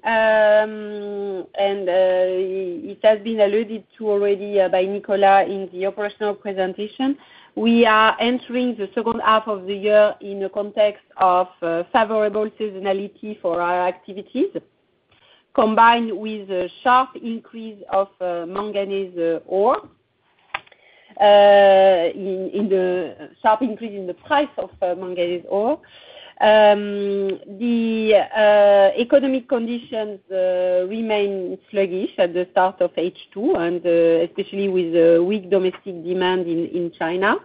it has been alluded to already by Nicolas in the operational presentation. We are entering the second half of the year in a context of favorable seasonality for our activities, combined with a sharp increase of manganese ore. In the sharp increase in the price of manganese ore. The economic conditions remain sluggish at the start of H2, and especially with the weak domestic demand in China.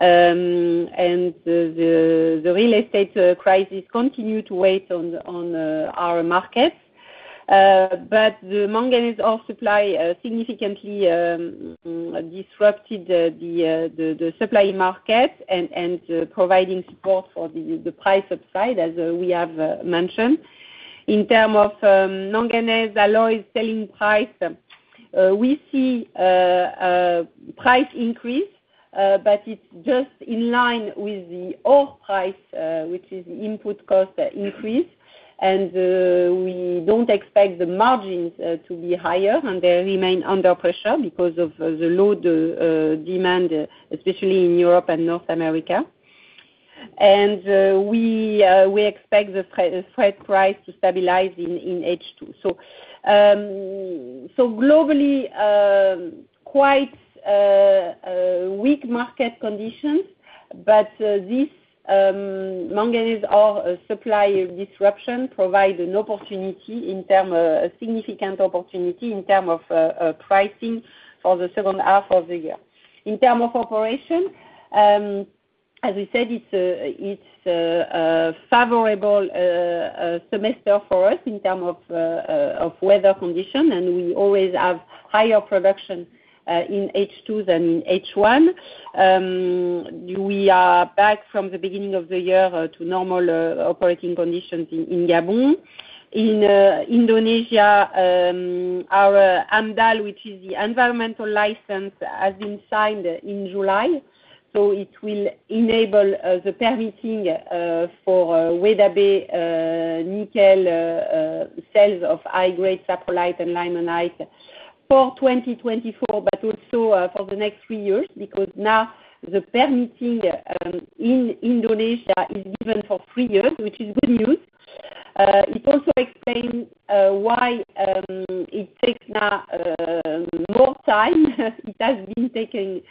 And the real estate crisis continue to wait on our market. But the manganese ore supply significantly disrupted the supply market and providing support for the price upside, as we have mentioned. In terms of manganese alloy selling price, we see a price increase, but it's just in line with the ore price, which is input cost increase. And we expect the price to stabilize in H2. So globally, quite weak market conditions, but this manganese ore supply disruption provide a significant opportunity in terms of pricing for the second half of the year. In terms of operations, as we said, it's a favorable semester for us in terms of weather conditions, and we always have higher production in H2 than in H1. We are back from the beginning of the year to normal operating conditions in Gabon. In Indonesia, our AMDAL, which is the environmental license, has been signed in July, so it will enable the permitting for Weda Bay nickel sales of high-grade saprolite and limonite for 2024, but also for the next three years, because now the permitting in Indonesia is even for three years, which is good news. It also explains why it takes now more time. It has been taking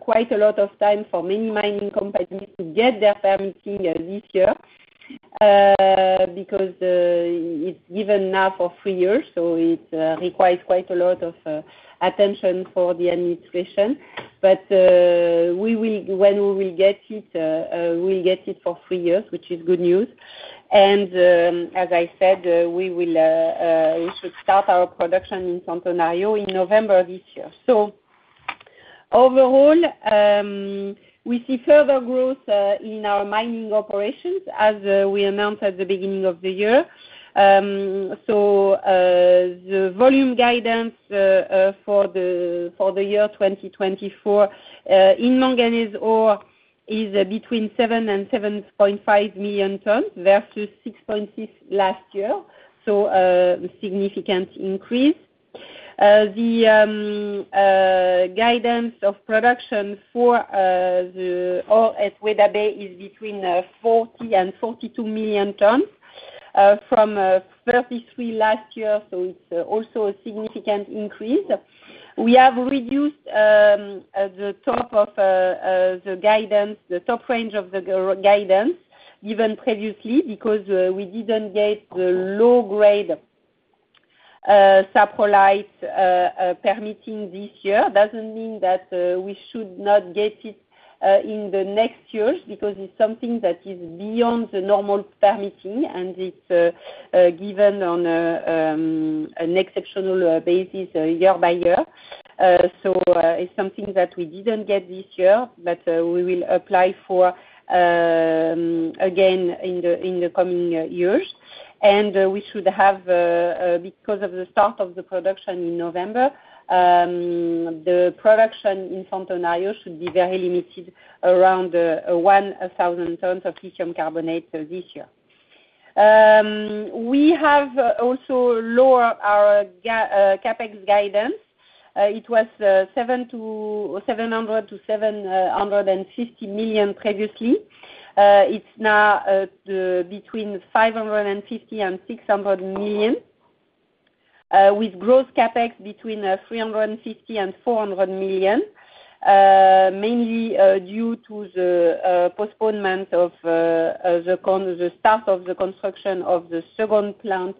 quite a lot of time for many mining companies to get their permitting this year, because it's given now for three years, so it requires quite a lot of attention for the administration. But, when we will get it, we'll get it for three years, which is good news. As I said, we should start our production in Centenario in November this year. So overall, we see further growth in our mining operations as we announced at the beginning of the year. The volume guidance for the year 2024 in manganese ore is between 7 million tons and 7.5 million tons, versus 6.6 last year, so a significant increase. The guidance of production for the ore at Weda Bay is between 40 million tons and 42 million tons from 33 last year, so it's also a significant increase. We have reduced the top range of the guidance given previously, because we didn't get the low-grade saprolite permitting this year. Doesn't mean that we should not get it in the next years, because it's something that is beyond the normal permitting, and it's given on an exceptional basis year-by-year. So it's something that we didn't get this year, but we will apply for it again in the coming years. Because of the start of the production in November, the production in Centenario should be very limited, around 1,000 tons of lithium carbonate this year. We have also lower our CapEx guidance. It was 700 million-750 million previously. It's now between 550 million and 600 million, with gross CapEx between 350 million and 400 million, mainly due to the postponement of the start of the construction of the second plant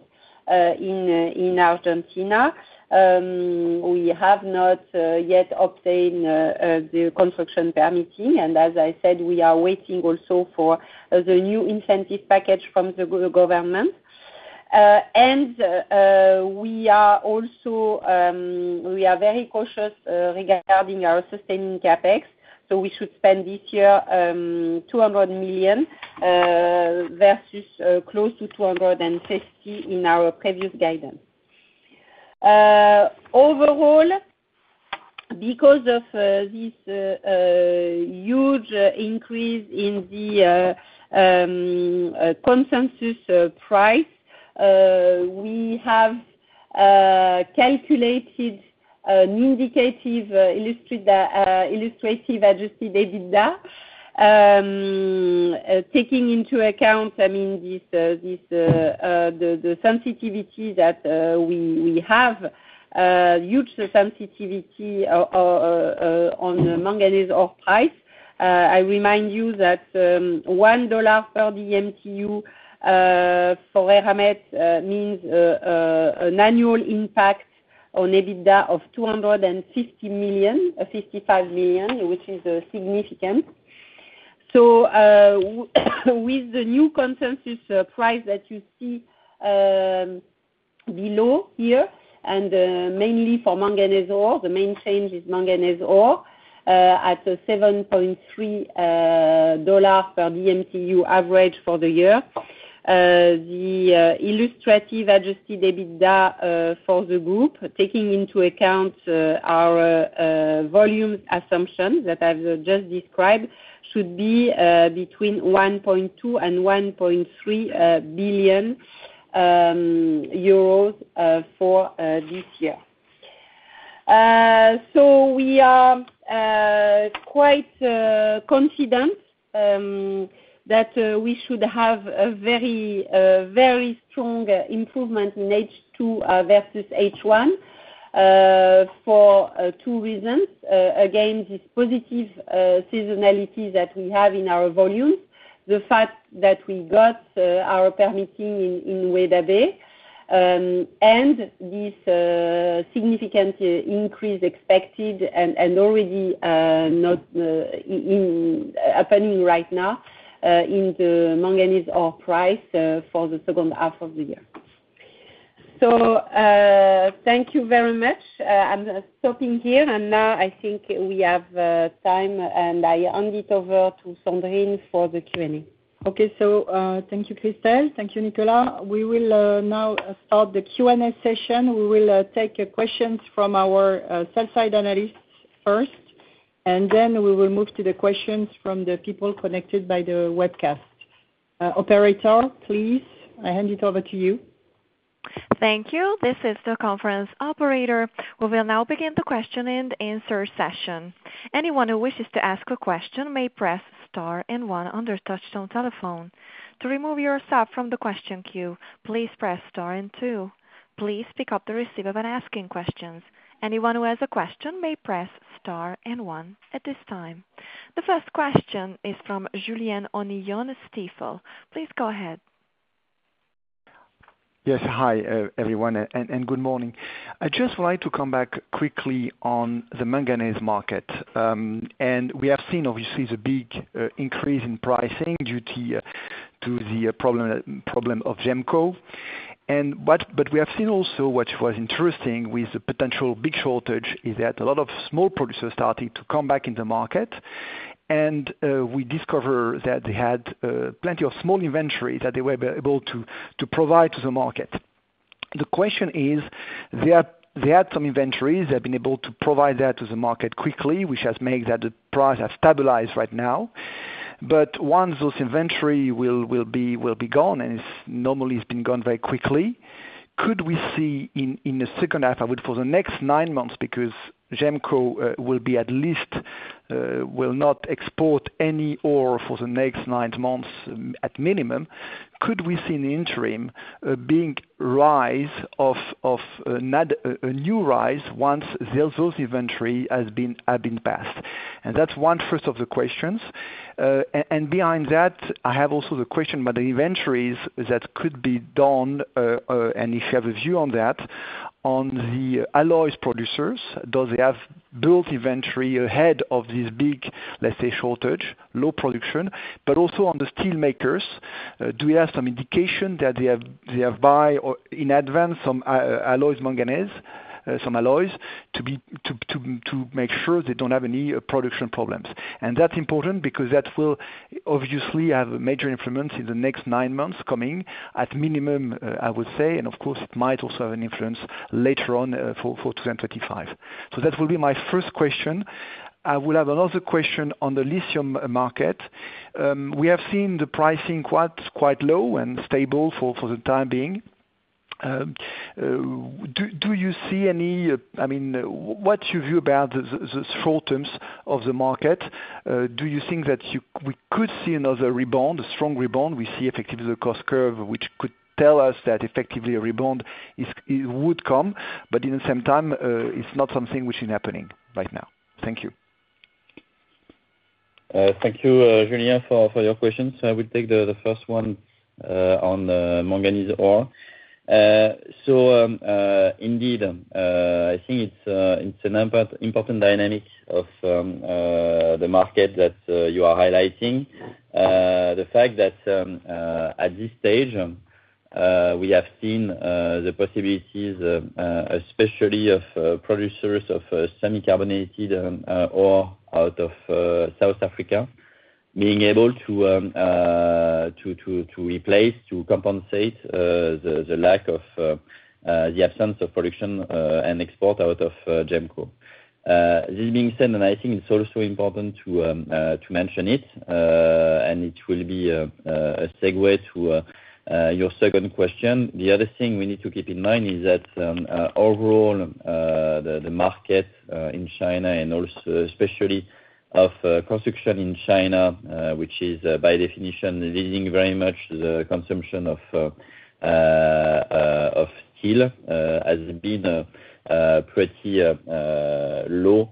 in Argentina. We have not yet obtained the construction permitting, and as I said, we are waiting also for the new incentive package from the government. And we are also, we are very cautious regarding our sustaining CapEx, so we should spend this year 200 million versus close to 250 million in our previous guidance. Because of this huge increase in the consensus price, we have calculated an indicative illustrative Adjusted EBITDA taking into account, I mean, this the sensitivity that we have huge sensitivity on the manganese ore price. I remind you that $1 per DMTU for Eramet means an annual impact on EBITDA of 250 million, 55 million, which is significant. So, with the new consensus price that you see below here, and mainly for manganese ore, the main change is manganese ore at a $7.3 per DMTU average for the year. The illustrative Adjusted EBITDA for the group, taking into account our volume assumption that I've just described, should be between 1.2 billion and 1.3 billion euros for this year. So we are quite confident that we should have a very very strong improvement in H2 versus H1 for two reasons. Again, this positive seasonality that we have in our volume, the fact that we got our permitting in Weda Bay, and this significant increase expected and already happening right now in the manganese ore price for the second half of the year. So, thank you very much. I'm stopping here, and now I think we have time, and I hand it over to Sandrine for the Q&A. Okay. Thank you, Christel. Thank you, Nicolas. We will now start the Q&A session. We will take questions from our sell side analysts first, and then we will move to the questions from the people connected by the webcast. Operator, please, I hand it over to you. Thank you. This is the conference operator. We will now begin the question and answer session. Anyone who wishes to ask a question may press star and one on their touchtone telephone. To remove yourself from the question queue, please press star and two. Please pick up the receiver when asking questions. Anyone who has a question may press star and one at this time. The first question is from Julien Onillon, Stifel. Please go ahead. Yes. Hi, everyone, and good morning. I'd just like to come back quickly on the manganese market. And we have seen obviously the big increase in pricing due to the problem of GEMCO. But we have seen also, which was interesting, with the potential big shortage, is that a lot of small producers starting to come back in the market. And we discover that they had plenty of small inventory that they were able to provide to the market. The question is, they had some inventories, they've been able to provide that to the market quickly, which has made that the price has stabilized right now. But once those inventory will be gone, and it's normally been gone very quickly, could we see in the second half, for the next nine months, because GEMCO will not export any ore for the next nine months, at minimum. Could we see an interim big rise of a new rise once those inventory have been passed? And that's one first of the questions. And behind that, I have also the question about the inventories that could be done, and if you have a view on that, on the alloys producers, do they have built inventory ahead of this big, let's say, shortage, low production? But also on the steel makers, do we have some indication that they have bought in advance some manganese alloys, to make sure they don't have any production problems? And that's important because that will obviously have a major influence in the next nine months coming, at minimum, I would say, and of course might also have an influence later on, for 2025. So that will be my first question. I will have another question on the lithium market. We have seen the pricing quite low and stable for the time being. Do you see any, I mean, what's your view about the short term of the market? Do you think that we could see another rebound, a strong rebound? We see effectively the cost curve, which could tell us that effectively a rebound is, it would come, but in the same time, it's not something which is happening right now. Thank you. Thank you, Julien, for your questions. I will take the first one on manganese ore. So, indeed, I think it's an important dynamic of the market that you are highlighting. The fact that at this stage we have seen the possibilities, especially of producers of semi-carbonate ore out of South Africa. ... being able to replace, to compensate the lack of the absence of production and export out of GEMCO. This being said, and I think it's also important to mention it, and it will be a segue to your second question. The other thing we need to keep in mind is that overall the market in China and also especially of construction in China, which is by definition leading very much the consumption of steel, has been pretty low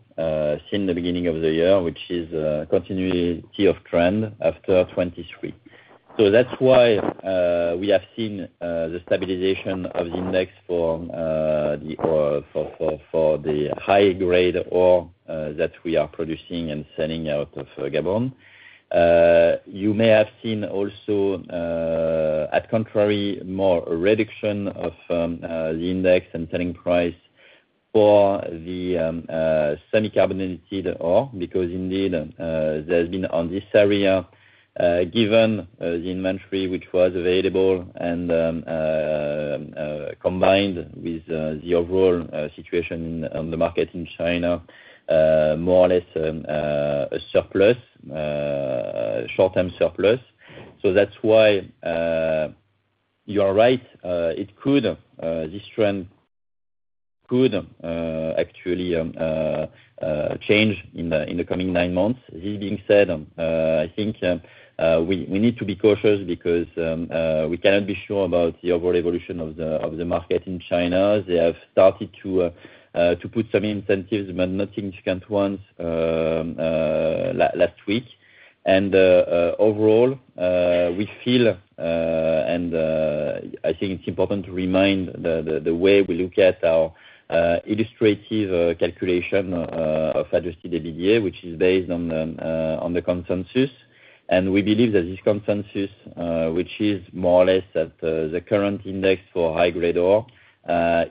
since the beginning of the year, which is continuity of trend after 2023. So that's why, we have seen the stabilization of the index for the high grade ore that we are producing and selling out of Gabon. You may have seen also, to the contrary, more reduction of the index and selling price for the semi-carbonate ore, because indeed, there's been in this area, given the inventory which was available and combined with the overall situation on the market in China, more or less a surplus, short-term surplus. So that's why, you are right, it could, this trend could actually change in the coming nine months. This being said, I think we need to be cautious because we cannot be sure about the overall evolution of the market in China. They have started to put some incentives, but nothing significant ones last week. And overall, we feel and I think it's important to remind the way we look at our illustrative calculation of Adjusted EBITDA, which is based on the consensus. And we believe that this consensus, which is more or less at the current index for high-grade ore,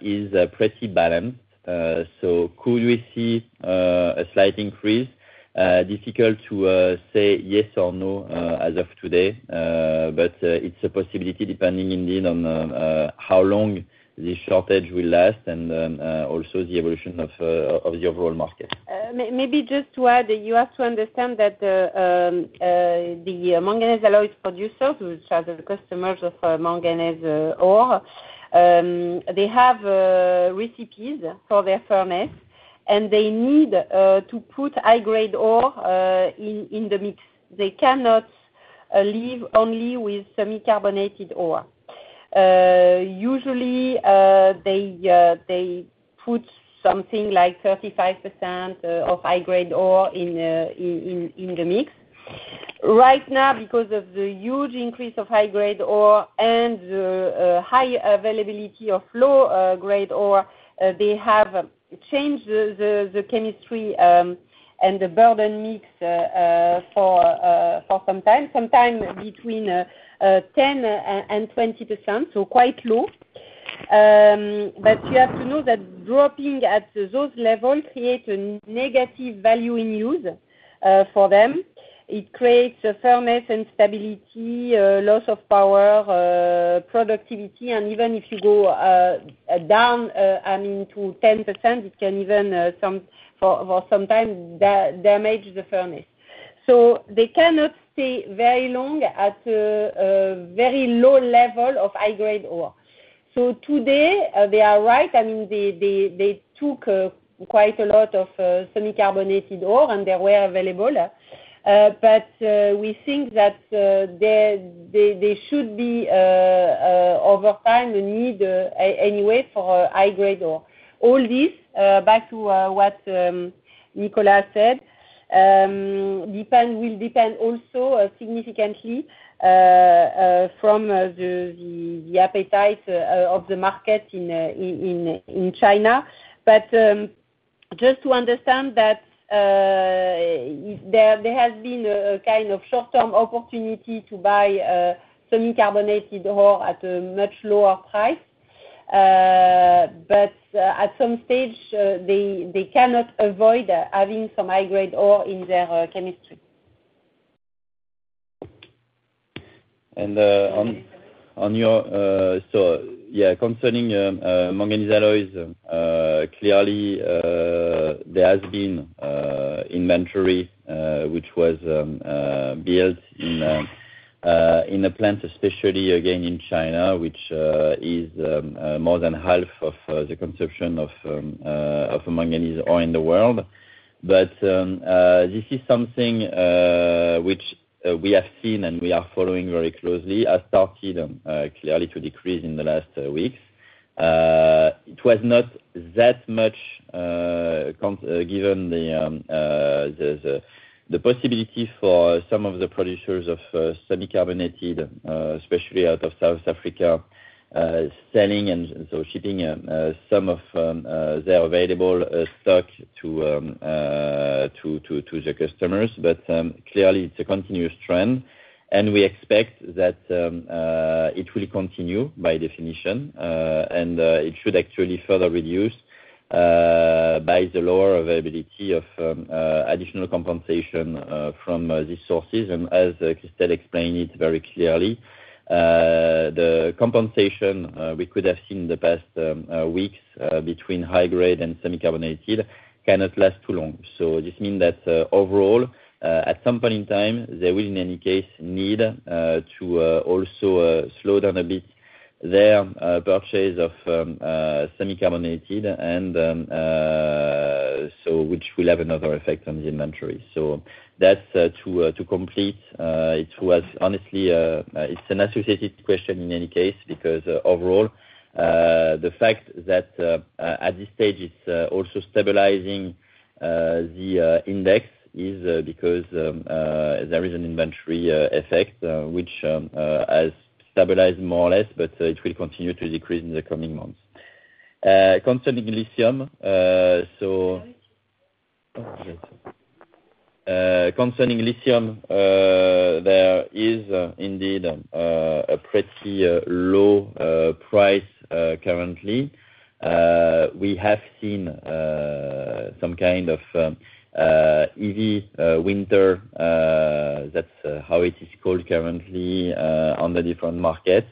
is pretty balanced. So could we see a slight increase? Difficult to say yes or no as of today, but it's a possibility, depending indeed on how long this shortage will last, and then also the evolution of the overall market. Maybe just to add, you have to understand that the manganese alloys producers, which are the customers of manganese ore, they have recipes for their furnace, and they need to put high-grade ore in the mix. They cannot live only with semi-carbonate ore. Usually, they put something like 35% of high-grade ore in the mix. Right now, because of the huge increase of high-grade ore and the high availability of low grade ore, they have changed the chemistry and the burden mix for some time, sometime between 10% and 20%, so quite low. But you have to know that dropping at those levels creates a negative value in use for them. It creates a firmness and stability, loss of power, productivity, and even if you go down, I mean, to 10%, it can even for some time damage the furnace. So they cannot stay very long at a very low level of high-grade ore. So today, they are right, I mean, they took quite a lot of semi-carbonate ore, and they were available. But we think that there should be over time a need anyway for high-grade ore. All this, back to what Nicolas said, will depend also significantly from the appetite of the market in China. But just to understand that, there has been a kind of short-term opportunity to buy semi-carbonated ore at a much lower price. But at some stage, they cannot avoid having some high-grade ore in their chemistry. And on your... So, yeah, concerning manganese alloys, clearly there has been inventory which was built in the plants, especially again in China, which is more than half of the consumption of manganese ore in the world. But this is something which we have seen and we are following very closely; it has started clearly to decrease in the last weeks. It was not that much given the possibility for some of the producers of semi-carbonated, especially out of South Africa, selling and so shipping some of their available stock to the customers. But clearly, it's a continuous trend. And we expect that it will continue, by definition, and it should actually further reduce by the lower availability of additional compensation from these sources. And as Christel explained it very clearly, the compensation we could have seen in the past weeks between high grade and semi-carbonate cannot last too long. So this mean that overall at some point in time, they will in any case need to also slow down a bit their purchase of semi-carbonate, and so which will have another effect on the inventory. So that's to complete. It was honestly it's an associated question in any case, because overall the fact that at this stage it's also stabilizing the index is because there is an inventory effect which has stabilized more or less, but it will continue to decrease in the coming months. Concerning lithium, there is indeed a pretty low price currently. We have seen some kind of EV winter, that's how it is called currently on the different markets.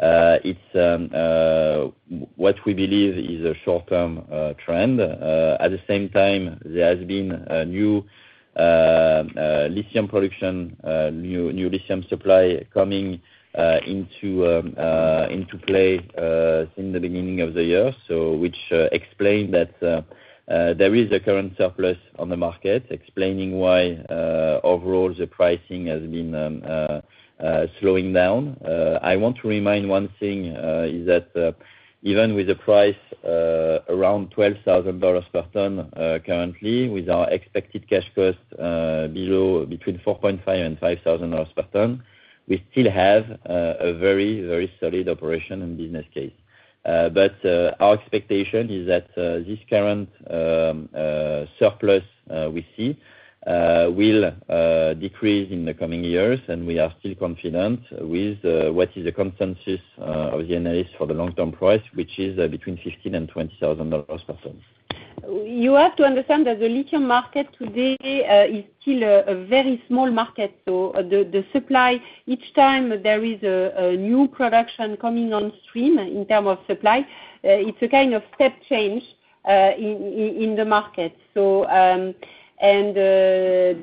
It's what we believe is a short-term trend. At the same time, there has been a new lithium production, new lithium supply coming into play since the beginning of the year, so which explain that there is a current surplus on the market, explaining why overall the pricing has been slowing down. I want to remind one thing is that even with the price around $12,000 per ton currently, with our expected cash cost below between $4,500 and $5,000 per ton, we still have a very, very solid operation and business case. But, our expectation is that this current surplus we see will decrease in the coming years, and we are still confident with what is the consensus of the analysts for the long-term price, which is between $15,000-$20,000 per ton. You have to understand that the lithium market today is still a very small market, so the supply, each time there is a new production coming on stream, in terms of supply, it's a kind of step change in the market. So the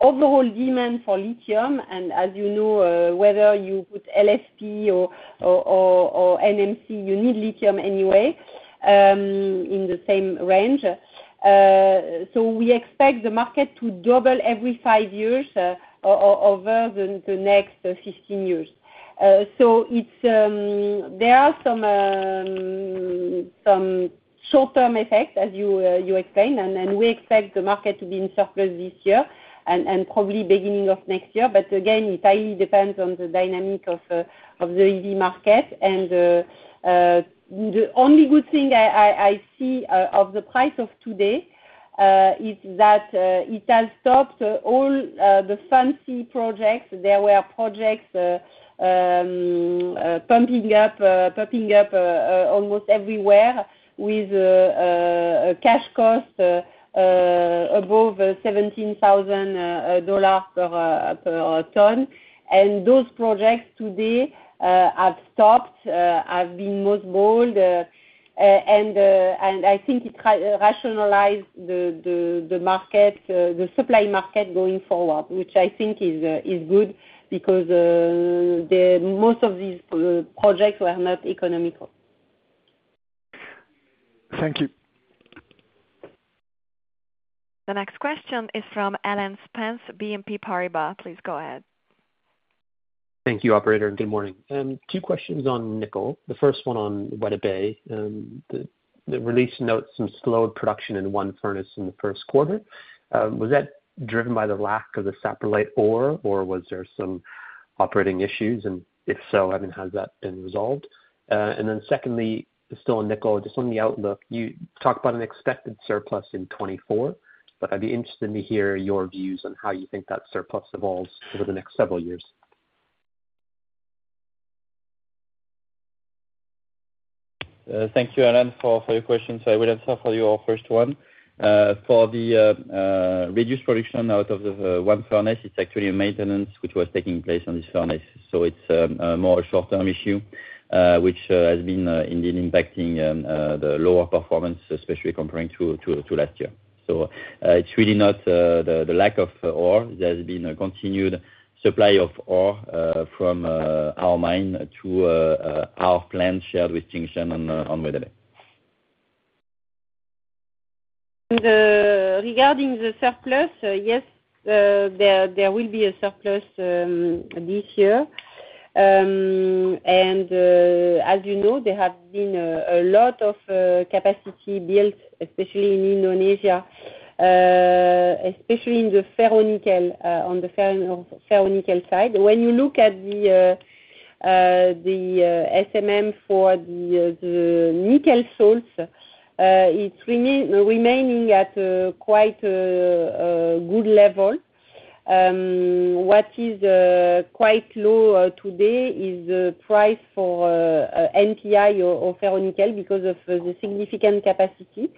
overall demand for lithium, and as you know, whether you put LFP or NMC, you need lithium anyway in the same range. So we expect the market to double every five years over the next 15 years. So there are some short-term effects, as you explained, and we expect the market to be in surplus this year, and probably beginning of next year. But again, it highly depends on the dynamic of the EV market. And the only good thing I see of the price today is that it has stopped all the fancy projects. There were projects popping up almost everywhere with a cash cost above $17,000 dollar per ton. And those projects today have stopped, have been mothballed. I think it will rationalize the supply market going forward, which I think is good, because most of these projects were not economical. Thank you. The next question is from Alan Spence, BNP Paribas, please go ahead. Thank you, operator, and good morning. Two questions on nickel. The first one on Weda Bay. The release notes some slowed production in one furnace in the first quarter. Was that driven by the lack of the saprolite ore, or was there some operating issues? And if so, I mean, has that been resolved? And then secondly, still on nickel, just on the outlook, you talked about an expected surplus in 2024, but I'd be interested to hear your views on how you think that surplus evolves over the next several years. Thank you, Alan, for your questions. I will answer for you our first one. For the reduced production out of the one furnace, it's actually a maintenance which was taking place on this furnace. So it's a more short-term issue, which has been indeed impacting the lower performance, especially comparing to last year. So it's really not the lack of ore. There's been a continued supply of ore from our mine to our plant shared with Tsingshan on Weda Bay. Regarding the surplus, yes, there will be a surplus this year. As you know, there have been a lot of capacity built, especially in Indonesia, especially in the ferronickel, on the ferronickel side. When you look at the SMM for the nickel salts, it's remaining at quite a good level. What is quite low today is the price for NPI or ferronickel because of the significant capacity.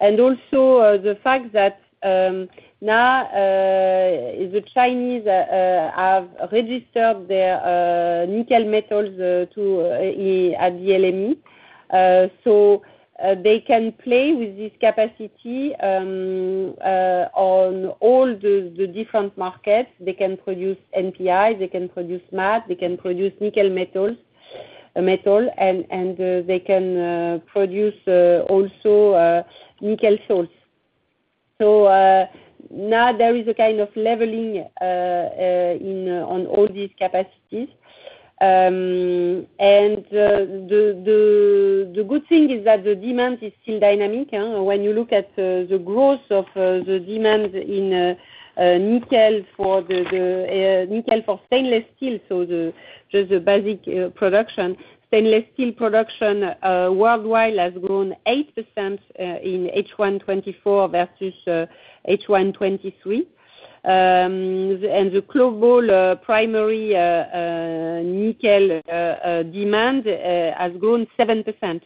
And also, the fact that now the Chinese have registered their nickel metals at the LME. So, they can play with this capacity on all the different markets. They can produce NPI, they can produce matte, they can produce nickel metal, and they can produce also nickel salts. So, now there is a kind of leveling in on all these capacities. The good thing is that the demand is still dynamic, and when you look at the growth of the demand in nickel for the nickel for stainless steel, so just the basic production. Stainless steel production worldwide has grown 8% in H1 2024 versus H1 2023. The global primary nickel demand has grown 7%.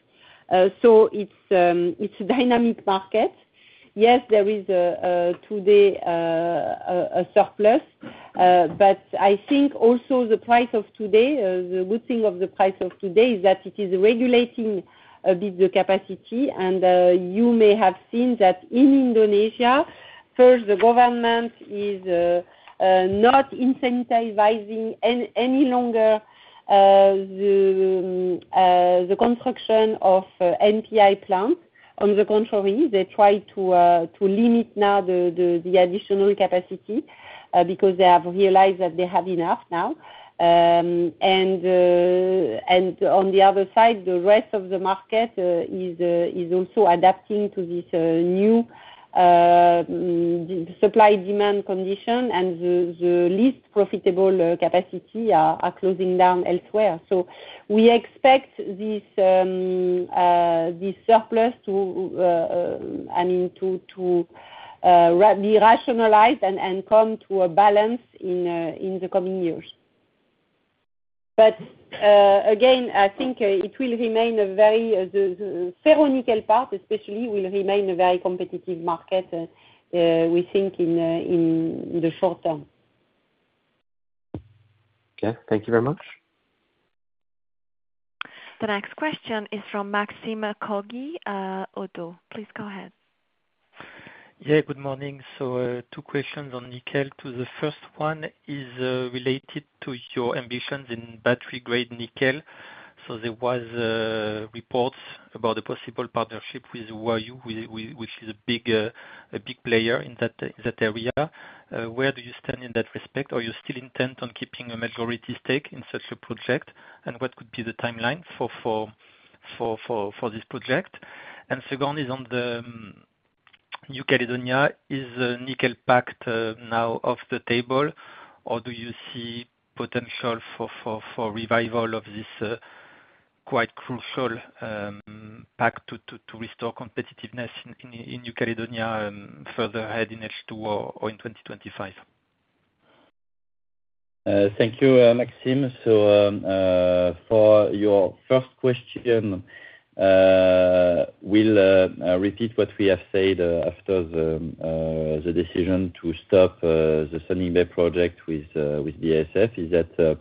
So it's a dynamic market. Yes, there is a surplus today, but I think also the price of today, the good thing of the price of today, is that it is regulating the capacity. And you may have seen that in Indonesia, first, the government is not incentivizing any longer the construction of NPI plants. On the contrary, they try to limit now the additional capacity, because they have realized that they have enough now. And on the other side, the rest of the market is also adapting to this new supply/demand condition, and the least profitable capacity are closing down elsewhere. So we expect this surplus to, I mean, to be rationalized and come to a balance in the coming years. But, again, I think it will remain a very, the ferronickel part especially, will remain a very competitive market, we think, in the short term. Okay. Thank you very much. The next question is from Maxime Kogge, ODDO BHF. Please go ahead. Yeah, good morning. So, two questions on nickel. The first one is related to your ambitions in battery-grade nickel. So there was reports about a possible partnership with Huayou Cobalt, which is a big player in that area. Where do you stand in that respect, or do you still intend on keeping a majority stake in such a project? And what could be the timeline for this project? And second is on New Caledonia. Is the Nickel Pact now off the table, or do you see potential for revival of this quite crucial pact to restore competitiveness in New Caledonia further ahead in H2 or in 2025? Thank you, Maxime. So, for your first question, we'll repeat what we have said after the decision to stop the Sonic Bay project with BASF, is that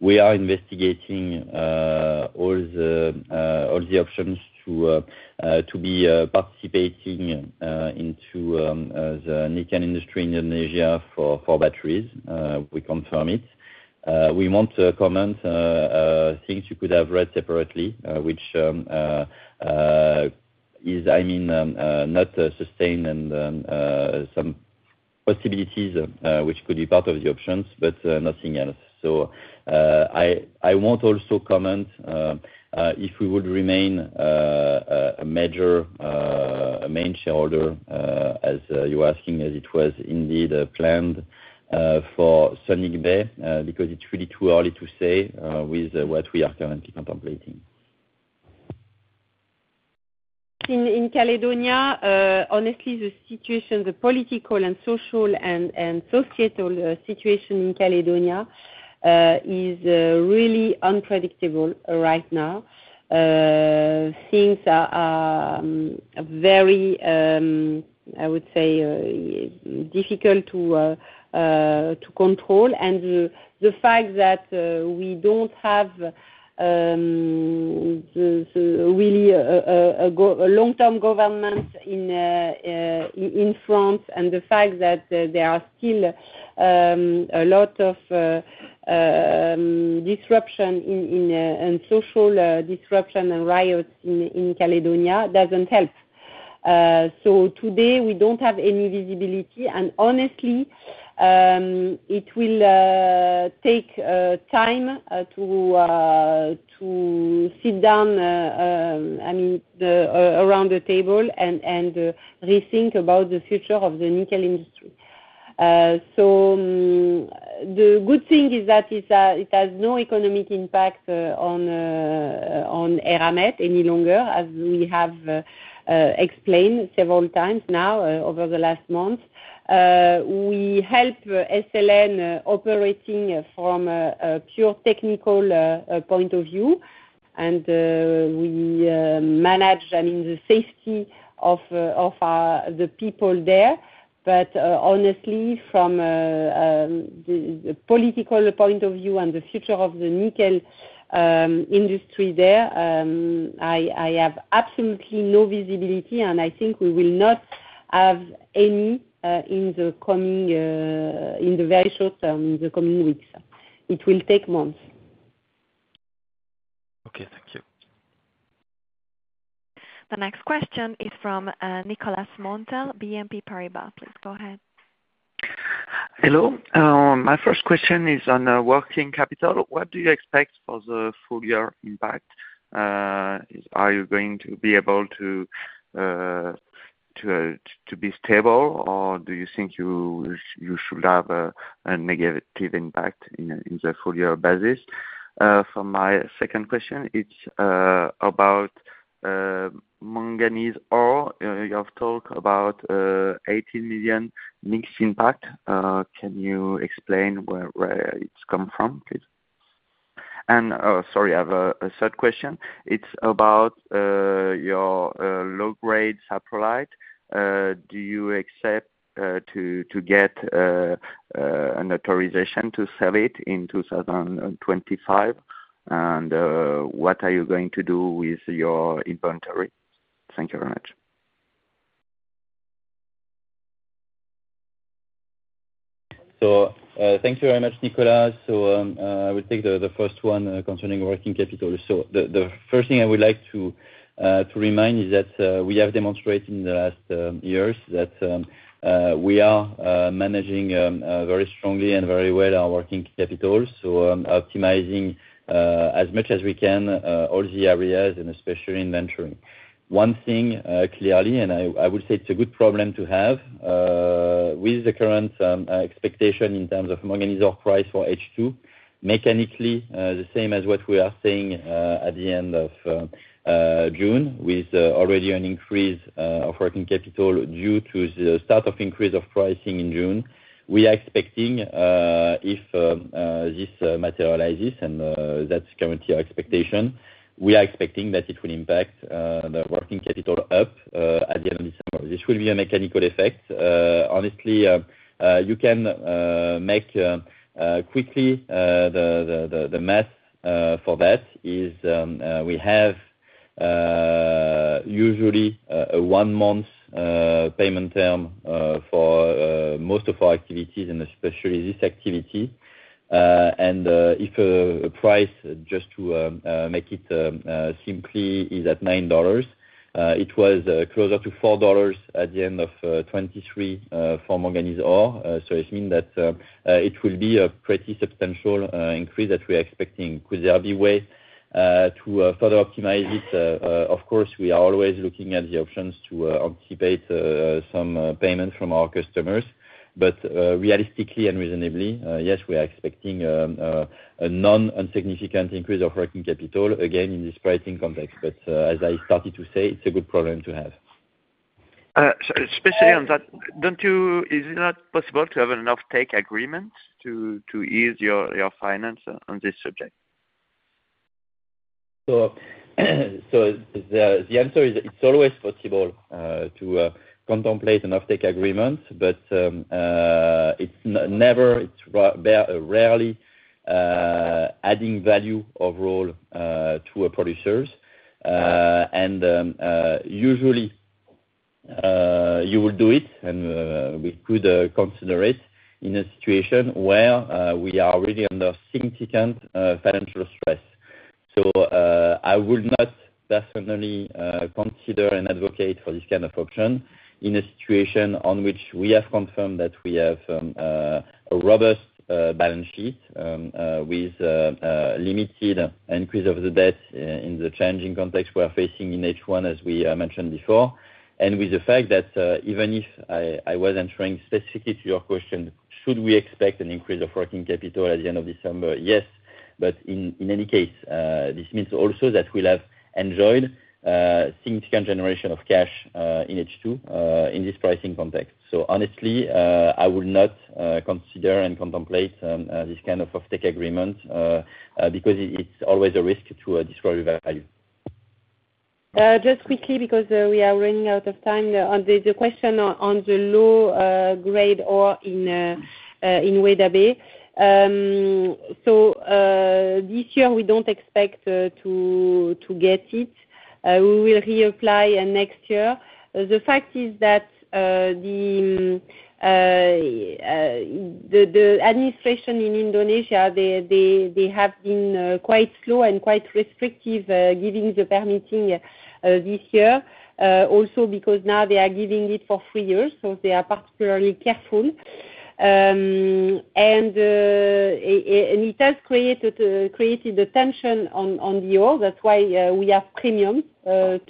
we are investigating all the options to be participating into the nickel industry in Indonesia for batteries. We confirm it. We won't comment things you could have read separately, which is, I mean, not sustained and some possibilities which could be part of the options, but nothing else. So, I won't also comment if we would remain a major, a main shareholder, as you asking, as it was indeed planned for Sonic Bay, because it's really too early to say with what we are currently contemplating. In Caledonia, honestly, the situation, the political and social and societal situation in Caledonia is really unpredictable right now. Things are very, I would say, difficult to control. And the fact that we don't have the really a long-term government in in France, and the fact that there are still a lot of disruption in and social disruption and riots in Caledonia doesn't help. So today we don't have any visibility, and honestly, it will take time to sit down, I mean, around the table and rethink about the future of the nickel industry. So the good thing is that it has no economic impact on Eramet any longer, as we have explained several times now, over the last month. We help SLN operating from a pure technical point of view, and we manage, I mean, the safety of the people there. But honestly, from the political point of view and the future of the nickel industry there, I have absolutely no visibility, and I think we will not have any in the coming, in the very short term, in the coming weeks. It will take months. Okay, thank you. The next question is from Nicolas Montel, BNP Paribas. Please go ahead. Hello. My first question is on working capital. What do you expect for the full year impact? Are you going to be able to be stable, or do you think you should have a negative impact in the full year basis? For my second question, it's about manganese ore. You have talked about 18 million mixed impact. Can you explain where it's come from, please? And sorry, I have a third question. It's about your low-grade saprolite. Do you expect to get an authorization to sell it in 2025? And what are you going to do with your inventory? Thank you very much. So, thank you very much, Nicolas. So, I will take the first one concerning working capital. So the first thing I would like to remind is that we have demonstrated in the last years that we are managing very strongly and very well our working capital. So, optimizing as much as we can all the areas and especially in inventory. One thing clearly, and I would say it's a good problem to have with the current expectation in terms of manganese ore price for H2, mechanically the same as what we are seeing at the end of June with already an increase of working capital due to the start of increase of pricing in June. We are expecting, if this materializes, and that's currently our expectation, we are expecting that it will impact the working capital up at the end of December. This will be a mechanical effect. Honestly, you can make quickly the math for that is, we have usually a one month payment term for most of our activities and especially this activity. And if a price, just to make it simply, is at $9, it was closer to $4 at the end of 2023, for manganese ore. So it mean that, it will be a pretty substantial increase that we are expecting with the Weda Bay, to further optimize it. Of course, we are always looking at the options to anticipate some payment from our customers, but realistically and reasonably, yes, we are expecting a non-unsignificant increase of working capital again in this pricing complex. But as I started to say, it's a good problem to have. So especially on that, is it not possible to have an offtake agreement to ease your finance on this subject? So the answer is, it's always possible to contemplate an offtake agreement, but it's never, it's rarely adding value overall to a producers. And usually you will do it, and we could consider it in a situation where we are really under significant financial stress. So I would not definitely consider and advocate for this kind of option in a situation in which we have confirmed that we have a robust balance sheet with limited increase of the debt in the changing context we are facing in H1, as we mentioned before. And with the fact that even if I wasn't trying specifically to your question, should we expect an increase of working capital at the end of December? Yes, but in any case, this means also that we'll have enjoyed significant generation of cash in H2 in this pricing context. So honestly, I would not consider and contemplate this kind of offtake agreement because it's always a risk to destroy the value. Just quickly, because we are running out of time on the question on the low grade ore in Weda Bay. So, this year, we don't expect to get it. We will reapply next year. The fact is that the administration in Indonesia, they have been quite slow and quite restrictive giving the permitting this year. Also because now they are giving it for three years, so they are particularly careful. And it has created the tension on the ore. That's why we have premium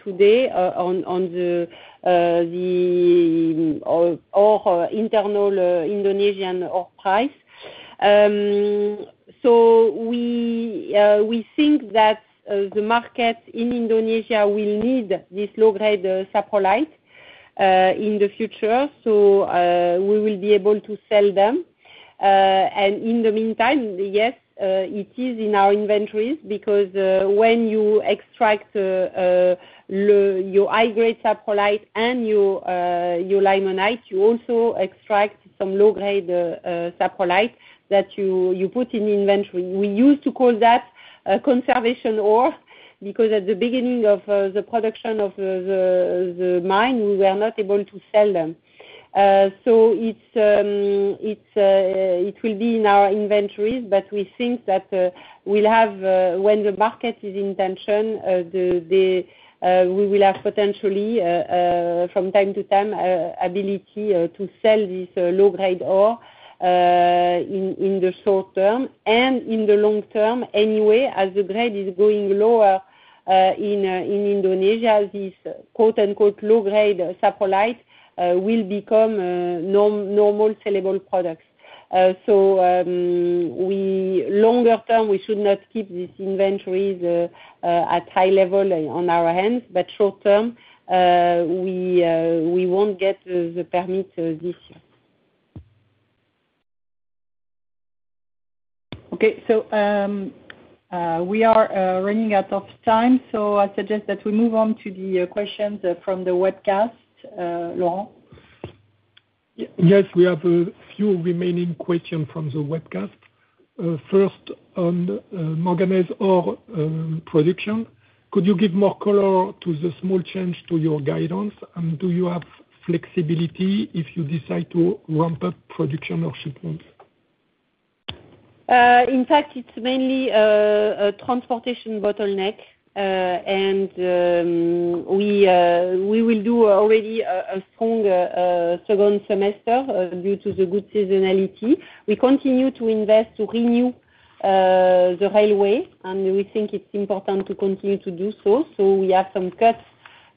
today on the internal Indonesian ore price. So we think that the market in Indonesia will need this low-grade saprolite in the future, so we will be able to sell them. And in the meantime, yes, it is in our inventories, because when you extract your high-grade saprolite and your limonite, you also extract some low-grade saprolite that you put in inventory. We used to call that conservation ore, because at the beginning of the production of the mine, we were not able to sell them. So it will be in our inventories, but we think that we'll have, when the market is in tension, we will have potentially from time to time ability to sell this low-grade ore in the short term and in the long term anyway, as the grade is going lower in Indonesia, this quote-unquote low-grade saprolite will become normal sellable products. So, longer term, we should not keep these inventories at high level on our hands, but short term, we won't get the permit this year. Okay. So, we are running out of time, so I suggest that we move on to the questions from the webcast, Laurent? Yes, we have a few remaining questions from the webcast. First on manganese ore production, could you give more color to the small change to your guidance? And do you have flexibility if you decide to ramp up production or shipments? In fact, it's mainly a transportation bottleneck. And we will do already a strong second semester due to the good seasonality. We continue to invest to renew the railway, and we think it's important to continue to do so. So we have some cuts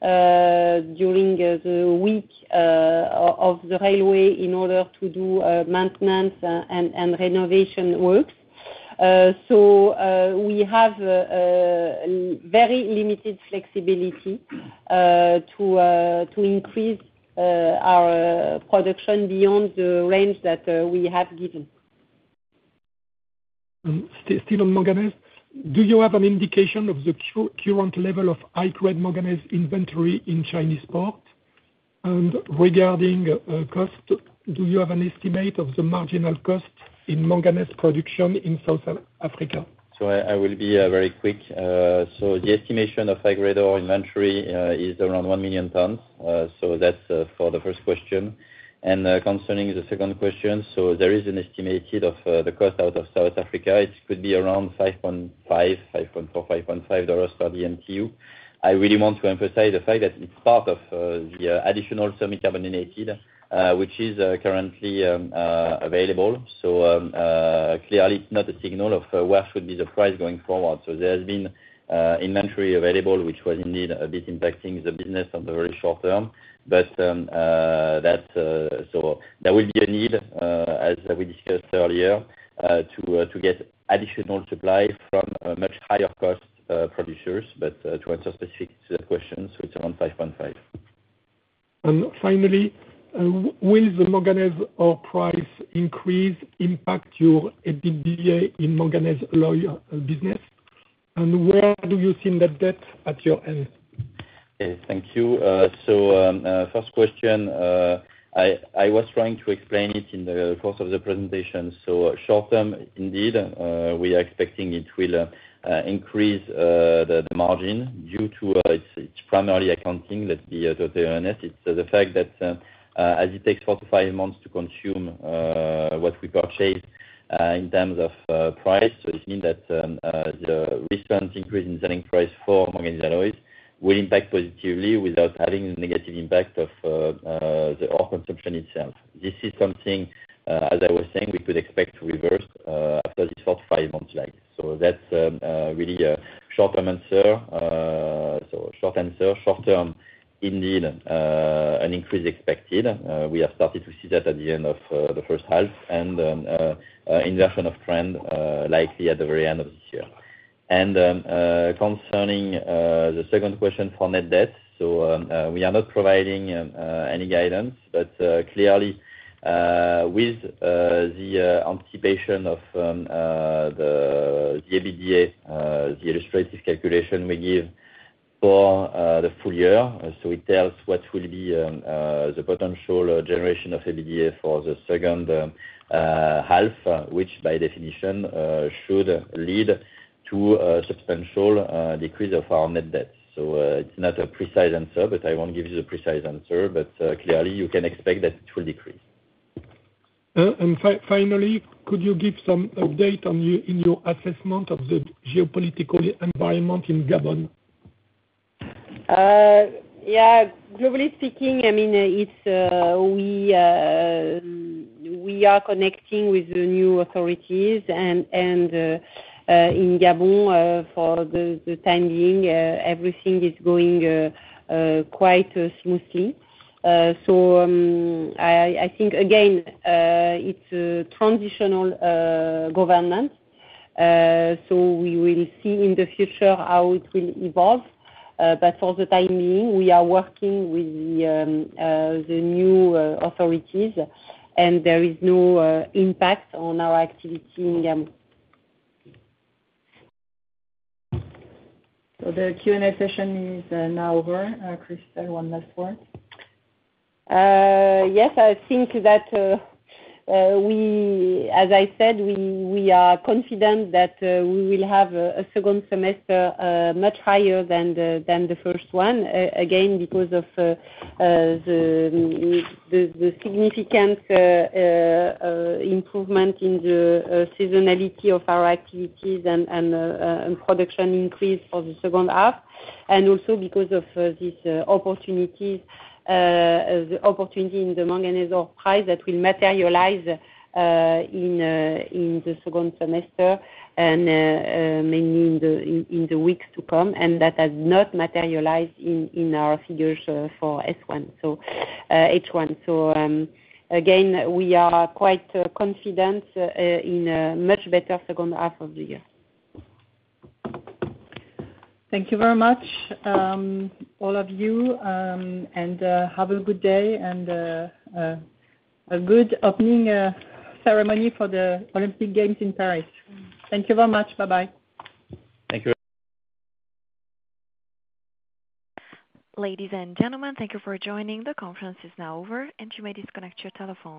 during the week of the railway in order to do maintenance and renovation works. So we have very limited flexibility to increase our production beyond the range that we have given. Still on manganese, do you have an indication of the current level of high-grade manganese inventory in Chinese port? And regarding cost, do you have an estimate of the marginal cost in manganese production in South Africa? So I will be very quick. So the estimation of high-grade ore inventory is around one million tons. So that's for the first question. And concerning the second question, so there is an estimated of the cost out of South Africa. It could be around $5.5, $5.4, $5.5 per DMTU. I really want to emphasize the fact that it's part of the additional semi-carbonated, which is currently available. So clearly it's not a signal of what should be the price going forward. So there has been inventory available, which was indeed a bit impacting the business on the very short term. So there will be a need, as we discussed earlier, to get additional supply from much higher cost producers. To answer specific to that question, so it's around $5.5. And finally, will the manganese ore price increase impact your EBITDA in manganese alloy business? And where do you see net debt at your end? Okay, thank you. So, first question, I was trying to explain it in the course of the presentation. So short term, indeed, we are expecting it will increase the margin due to its primarily accounting that the earnings. It's the fact that as it takes four to five months to consume what we purchase in terms of price. So it means that the recent increase in selling price for manganese alloys will impact positively without having a negative impact of the ore consumption itself. This is something, as I was saying, we could expect to reverse after this four to five months lag. So that's really a short-term answer. So short answer, short term, indeed, an increase expected. We have started to see that at the end of the first half, and inversion of trend likely at the very end of this year. Concerning the second question for net debt, so we are not providing any guidance, but clearly with the anticipation of the EBITDA, the illustrative calculation we give for the full year, so it tells what will be the potential generation of EBITDA for the second half, which by definition should lead to a substantial decrease of our net debt. So it's not a precise answer, but I won't give you the precise answer, but clearly you can expect that it will decrease. Finally, could you give some update on your, in your assessment of the geopolitical environment in Gabon?... Yeah, globally speaking, I mean, it's we are connecting with the new authorities and in Gabon, for the time being, everything is going quite smoothly. So, I think again, it's a transitional government. So we will see in the future how it will evolve. But for the time being, we are working with the new authorities, and there is no impact on our activity in Gabon. So the Q&A session is now over. Christel, one last word? Yes, I think that, as I said, we are confident that we will have a second semester much higher than the first one, again, because of the significant improvement in the seasonality of our activities and production increase for the second half, and also because of this opportunities, the opportunity in the manganese ore price that will materialize in the second semester and mainly in the weeks to come, and that has not materialized in our figures for H1, so H1. So, again, we are quite confident in a much better second half of the year. Thank you very much, all of you, and have a good day and a good opening ceremony for the Olympic Games in Paris. Thank you very much. Bye-bye. Thank you. Ladies and gentlemen, thank you for joining. The conference is now over, and you may disconnect your telephones.